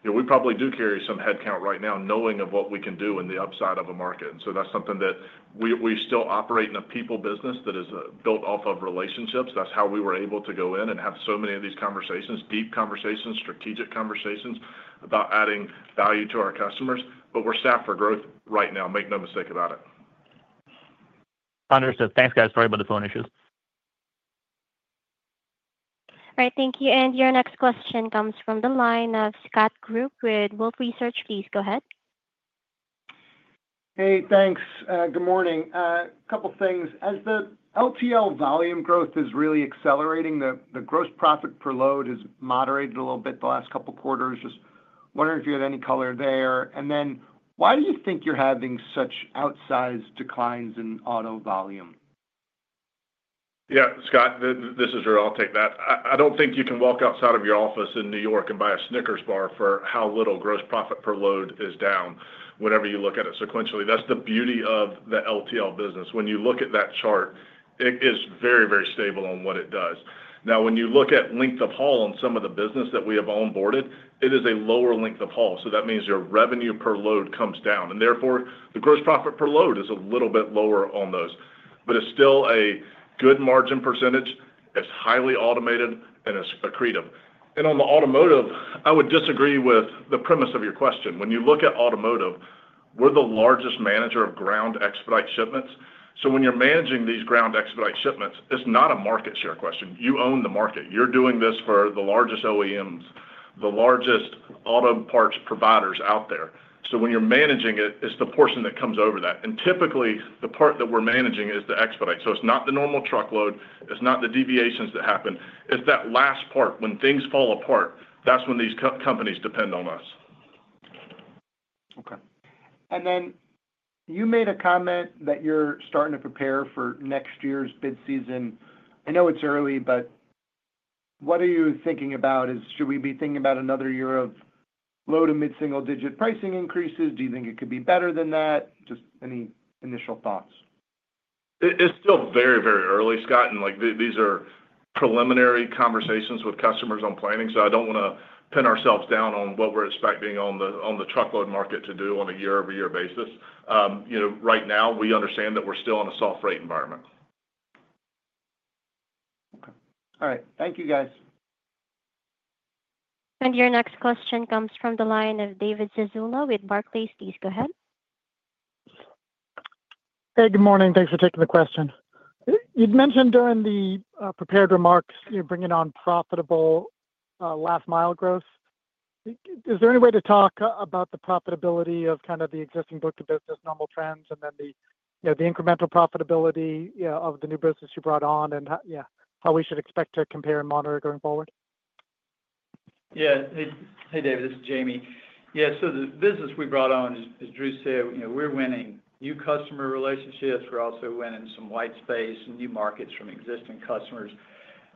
We probably do carry some headcount right now knowing of what we can do in the upside of a market. That's something that we still operate in a people business that is built off of relationships. That's how we were able to go in and have so many of these conversations, deep conversations, strategic conversations about adding value to our customers. We're staffed for growth right now. Make no mistake about it. Understood. Thanks, guys. Sorry about the phone issues. All right, thank you. Your next question comes from the line of Scott Group with Wolfe Research. Please go ahead. Hey, thanks. Good morning. A couple things as the LTL volume growth is really accelerating. The gross profit per load has moderated. A little bit the last couple quarters. Just wondering if you had any color there. Why do you think you're. Having such outsized declines in auto volume? Yeah, Scott, this is yours. I'll take that. I don't think you can walk outside of your office in New York and buy a Snickers bar for how little gross profit per load is down whenever you look at it sequentially. That's the beauty of the LTL business. When you look at that chart, it is very, very stable on what it does. Now, when you look at length of haul on some of the business that we have onboarded, it is a lower length of haul. That means your revenue per load comes down and therefore the gross profit per load is a little bit lower on those, but it's still a good margin percentage. It's highly automated and it's accretive. On the automotive, I would disagree with the premise of your question. When you look at automotive, we're the largest manager of ground expedite shipments. When you're managing these ground expedite shipments, it's not a market share question. You own the market. You're doing this for the largest OEMs, the largest auto parts providers out there. When you're managing it, it's the portion that comes over that. Typically, the part that we're managing is the expedite. It's not the normal truckload, it's not the deviations that happen. It's that last part when things fall apart. That's when these companies depend on us. Okay, you made a comment. That you're starting to prepare for next year's bid season. I know it's early, but what are you. You thinking about is, should we be thinking about another year of low to. Mid single digit pricing increases? Do you think it could be better than that? Just any initial thoughts? It's still very, very early, Scott. These are preliminary conversations with customers on planning. I don't want to pin ourselves down on what we're expecting the truckload market to do on a year-over-year basis. Right now we understand that we're still in a soft freight environment. All right, thank you guys. Your next question comes from the line of David Zazula with Barclays. Please go ahead. Hey, good morning. Thanks for taking the question you mentioned. During the prepared remarks. You're bringing on profitable last mile growth. Is there any way to talk about the profitability of the existing book of business, normal trends, and then the incremental profitability of the new business you brought on? How should we expect to compare and monitor going forward? Yeah. Hey David, this is Jamie. The business we brought on, as Drew said, we're winning new customer relationships. We also went in some white space, new markets from existing customers.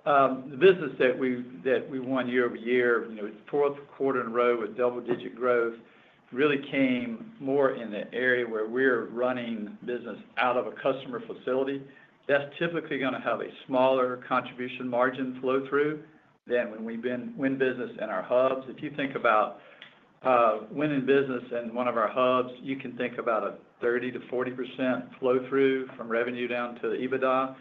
The business that we won year-over-year, it's fourth quarter in a row with double-digit growth, really came more in the area where we're running business out of a customer facility that's typically going to have a smaller contribution margin flow-through than when we win business in our hubs. If you think about winning business in one of our hubs, you can think about a 30%-40% flow-through from revenue down to EBITDA.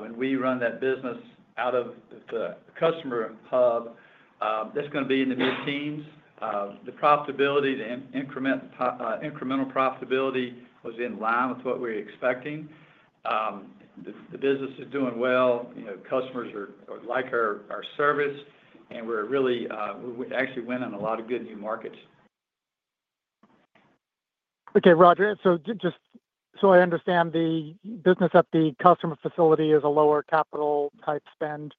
When we run that business out of the customer hub, that's going to be in the mid-teens. The profitability, the incremental profitability was in line with what we were expecting. The business is doing well. Customers like our service and we actually went on a lot of good new markets. Okay, Roger. Just so I understand, the business at the customer facility is a lower. Capital type spend.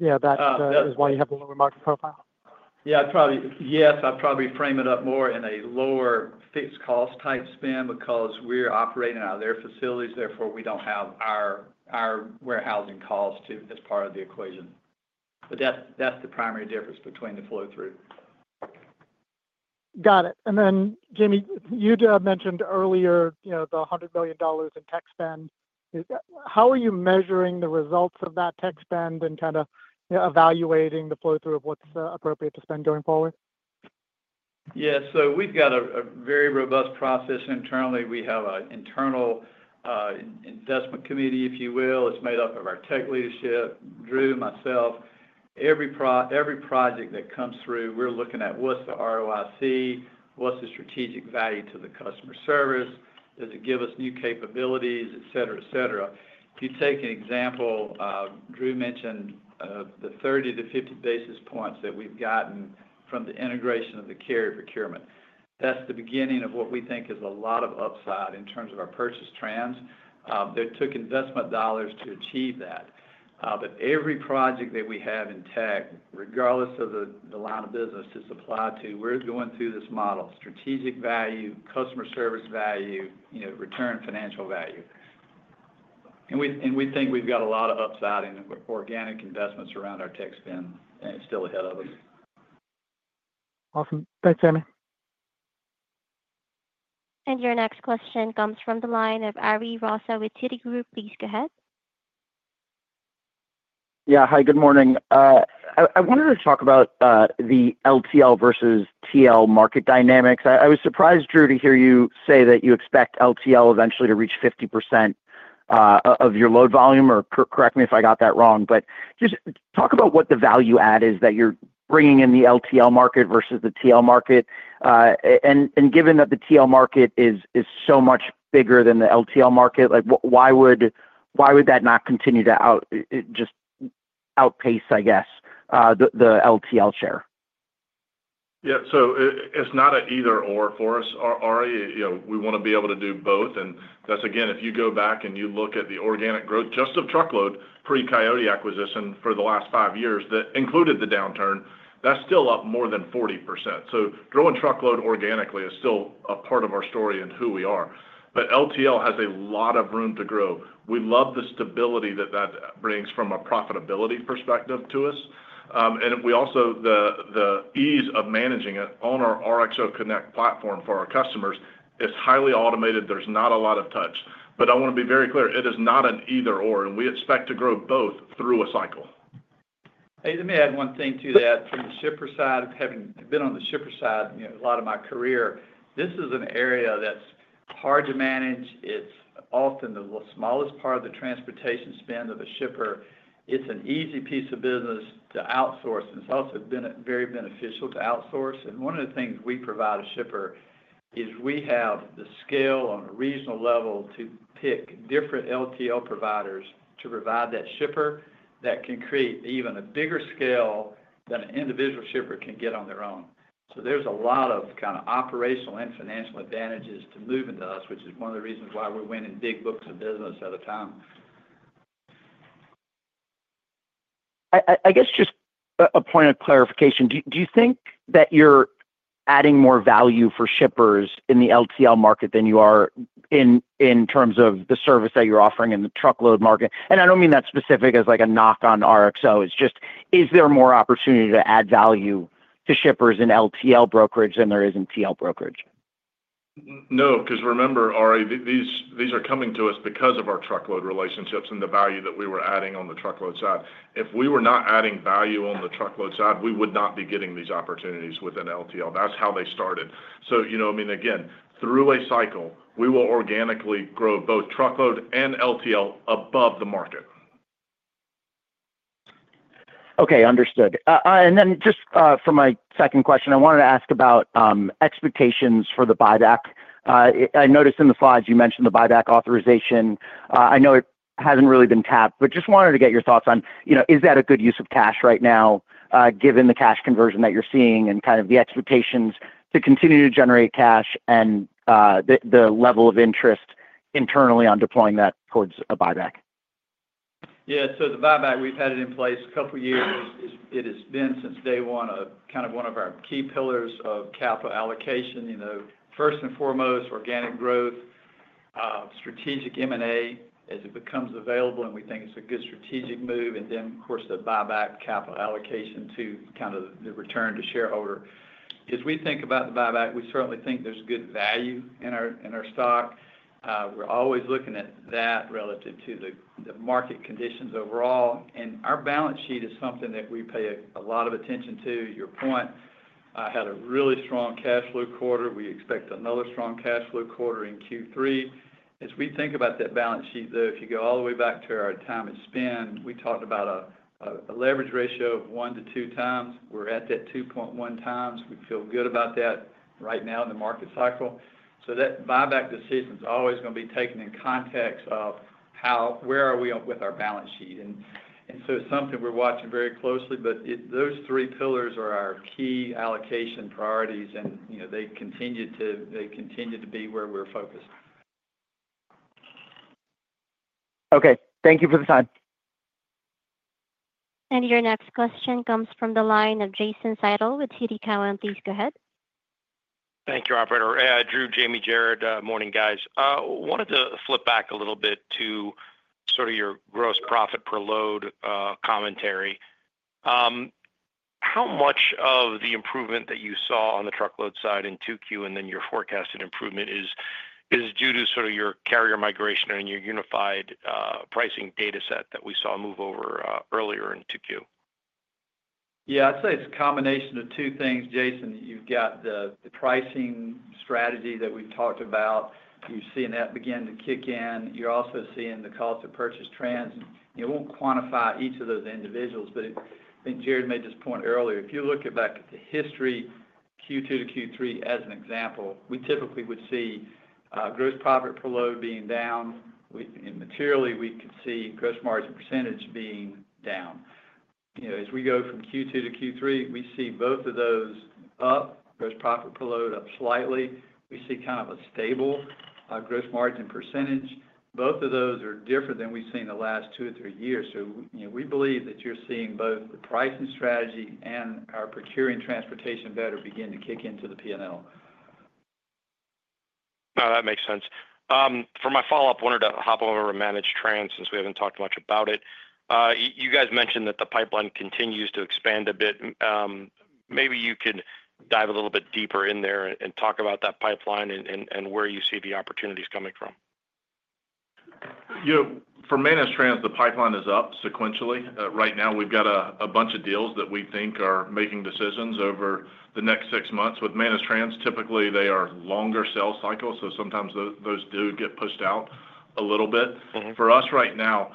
Yeah, that is why you have a lower market profile. Yeah, probably, yes. I probably frame it up more in a lower fixed cost type spend because we're operating out of their facilities. Therefore, we don't have our warehousing cost to this part of the equation. That's the primary difference between the flow through. Got it. Jamie, you mentioned earlier, you. The $100 million in tech spend. How are you measuring the results? That tech spend and kind of evaluating the flow through of what's appropriate to spend going forward? Yeah, so we've got a very robust process internally. We have an internal investment committee, if you will. It's made up of our tech leadership, Drew, myself. Every project that comes through, we're looking at what's the ROIC, what's the strategic value to the customer service, does it give us new capabilities, et cetera, et cetera? If you take an example, Drew mentioned the 30 to 50 basis points that we've gotten from the integration of the carrier procurement. That's the beginning of what we think is a lot of upside in terms of our purchase trends. There took investment dollars to achieve that, but every project that we have intact, regardless of the line of business it's applied to, we're going through this model, strategic value, customer service value, return, financial value. We think we've got a lot of upside in organic investments around our tech spend still ahead of us. Awesome. Thanks, Jamie. Your next question comes from the line of Ari Rosa with Citigroup. Please go ahead. Yeah. Hi, good morning. I wanted to talk about the LTL versus TL market dynamics. I was surprised, Drew, to hear you say that you expect LTL eventually to reach 50% of your load volume, or correct me if I got that wrong, but just talk about what the value add is that you're bringing in. The LTL market versus the TL market. Given that the TL market is so much bigger than the LTL market, why would that not continue to just outpace, I guess, the LTL share? Yeah. It's not an either or for us, Ari. We want to be able to do both. If you go back and look at the organic growth just of truckload pre Coyote acquisition for the last five years that included the downturn, that's still up more than 40%. Growing truckload organically is still a part of our story and who we are. LTL has a lot of room to grow. We love the stability that that brings from a profitability perspective to us. If we also consider the ease of managing it on our RXO Connect platform for our customers, it's highly automated. There's not a lot of touch. I want to be very clear it is not an either or. We expect to grow both through a cycle. Hey, let me add one thing to that from the shipper side. Having been on the shipper side a lot of my career, this is an area that's hard to manage. It's often the smallest part of the transportation spend of the shipper. It's an easy piece of business to outsource, and it's also been very beneficial to outsource. One of the things we provide a shipper is we have the scale on a reasonable level to pick different LTL providers to provide that shipper that can create even a bigger scale than an individual shipper can get on their own. There are a lot of operational and financial advantages to move into us, which is one of the reasons why we went in big books of business at a time. I guess just a point of clarification, do you think that you're adding more value for shippers in the LTL market than you are, in terms of the service that you're offering in the truckload market? I don't mean that specific as like a knock on RXO. It's just, is there more opportunity to add value to shippers in LTL brokerage than there is in TL brokerage? No, because remember, Ari, these are coming to us because of our truckload relationships and the value that we were adding on the truckload side. If we were not adding value on the truckload side, we would not be getting these opportunities within LTL. That's how they started. Through a cycle, we will organically grow both truckload and LTL above the market. Okay, understood. For my second question, I wanted to ask about expectations for the buyback. I noticed in the slides you mentioned the buyback authorization. I know it hasn't really been tapped, but just wanted to get your thoughts on is that a good use of cash right now, given the cash conversion that you're seeing and kind of the expectations to continue to generate cash and the level of interest internally on deploying that towards a buyback? Yeah, so the buyback, we've had it in place a couple years. It has been since day one, kind of one of our key pillars of capital allocation. First and foremost, organic growth, strategic M&A as it becomes available. We think it's a good strategic move. Then, of course, the buyback capital allocation to kind of the return to shareholder. As we think about the buyback, we certainly think there's good value in our stock. We're always looking at that relative to the market conditions overall. Our balance sheet is something that we pay a lot of attention to. I had a really strong cash flow quarter. We expect another strong cash flow quarter in Q3. As we think about that balance sheet, though, if you go all the way back to our time and spend, we talked about a leverage ratio of 1 to 2x. We're at that 2.1x. We feel good about that right now in the market cycle. That buyback decision is always going to be taken in context of how, where are we with our balance sheet? It's something we're watching very closely, but those three pillars are our key allocation priorities. They continue to be where we're focused. Okay, thank you for the time. Your next question comes from the line of Jason Seidl with TD Cowen. Please go ahead. Thank you, operator. Drew, Jamie, Jared. Morning, guys. Wanted to flip back a little bit. To your gross profit per load commentary. How much of the improvement that you Saw on the truckload side in 2Q, and then your forecasted improvement is due to sort of your carrier migration and your unified pricing data set that we saw move over earlier in 2Q. Yeah, I'd say it's a combination of two things, Jason. You've got the pricing strategy that we talked about. You're seeing that begin to kick in. You're also seeing the cost of purchase transfer. I won't quantify each of those individually. I think Jared made this point earlier. If you look back at the history, Q2 to Q3 as an example, we typically would see gross profit per load being down materially. We could see gross margin percentage being down. As we go from Q2 to Q3, we see both of those up. Gross profit per load up slightly. We see kind of a stable gross margin percentage. Both of those are different than we've seen the last two or three years. We believe that you're seeing both the pricing strategy and our procuring transportation better begin to kick into the P. That makes sense for my follow up. Wanted to hop over managed transportation since we haven't talked much about it. You guys mentioned that the pipeline continues. To expand a bit. Maybe you can dive a little bit. Deeper in there and talk about that. Pipeline and where you see the opportunities coming from. For managed transportation, the pipeline is up sequentially. Right now we've got a bunch of deals that we think are making decisions over the next six months with managed transportation. Typically they are longer sales cycles. Sometimes those do get pushed out a little bit for us right now.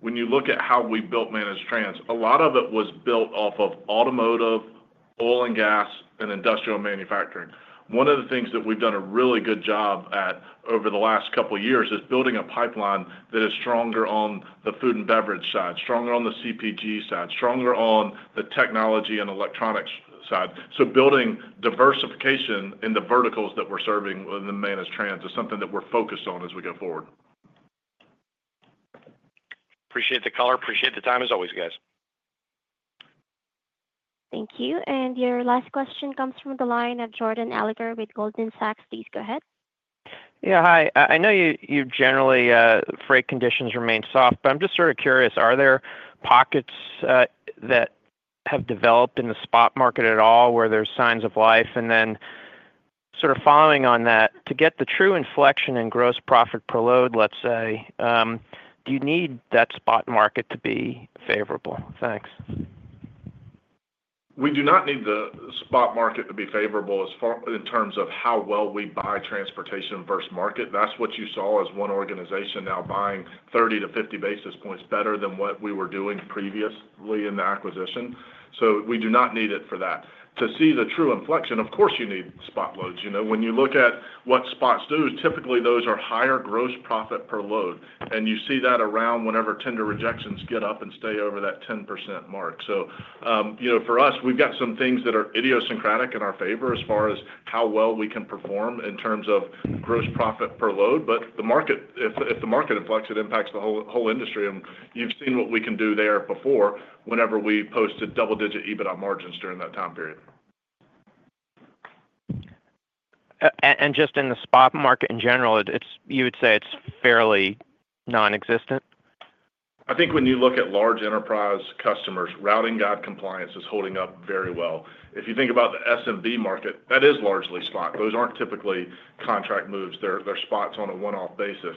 When you look at how we built managed transportation, a lot of it was built off of automotive, oil and gas, and industrial manufacturing. One of the things that we've done a really good job at over the last couple years is building a pipeline that is stronger on the food and beverage side, stronger on the CPG side, stronger on the technology and electronics side. Building diversification in the verticals that we're serving in managed transportation is something that we're focused on as we go forward. Appreciate the caller. Appreciate the time as always, guys. Thank you. Your last question comes from the line of Jordan Alliger with Goldman Sachs. Please go ahead. Yeah, hi. I know generally freight conditions remain soft, but I'm just sort of curious. Are there pockets that have developed in the spot market at all where there's signs of life? Following on that to get the true. Inflection in gross profit per load? Let's say, do you need that spot market to be favorable? Thanks. We do not need the spot market to be favorable in terms of how well we buy transportation versus market. That is what you saw as one organization now buying 30 to 50 basis points better than what we were doing previously in the acquisition. We do not need it for that. To see the true inflection, of course you need spot loads. When you look at what spots do, typically those are higher gross profit per load, and you see that around whenever tender rejections get up and stay over that 10% mark. For us, we've got some things that are idiosyncratic in our favor as far as how well we can perform in terms of gross profit per load. If the market inflects, it impacts the whole industry, and you've seen what we can do there before whenever we posted double digit adjusted EBITDA margins during that time period. In the spot market in general, you would say it's fairly non-existent. I think when you look at large enterprise customers, routing guide compliance is holding up very well. If you think about the SMB market that is largely spot, those aren't typically contract moves, they're spots on a one off basis.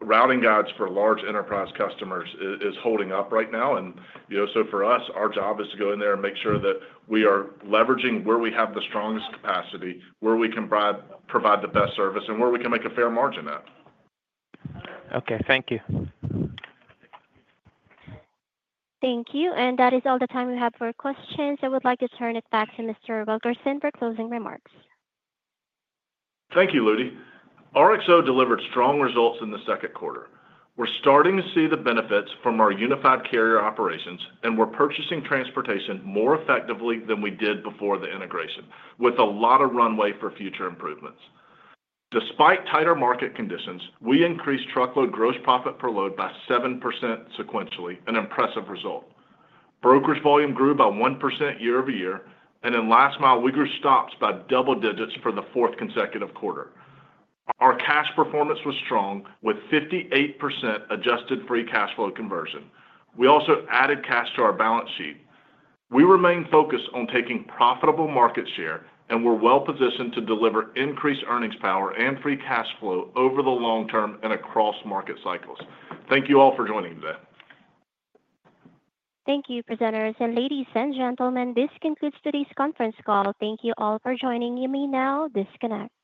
Routing guides for large enterprise customers is holding up right now. For us, our job is to go in there and make sure that we are leveraging where we have the strongest capacity, where we can provide the best service, and where we can make a fair margin at. Okay, thank you. Thank you. That is all the time we have for questions. I would like to turn it back to Mr. Wilkerson for closing remarks. Thank you. RXO delivered strong results in the second quarter. We're starting to see the benefits from our unified carrier operations, and we're purchasing transportation more effectively than we did before the integration, with a lot of runway for future improvements. Despite tighter market conditions, we increased truckload gross profit per load by 7% sequentially, an impressive result. Brokerage volume grew by 1% year-over-year, and in last mile we grew stops by double digits. For the fourth consecutive quarter, our cash performance was strong with 58% adjusted free cash flow conversion. We also added cash to our balance sheet. We remain focused on taking profitable market share, and we're well positioned to deliver increased earnings power and free cash flow over the long term and across market cycles. Thank you all for joining today. Thank you, presenters and ladies and gentlemen. This concludes today's conference call. Thank you all for joining. You may now disconnect.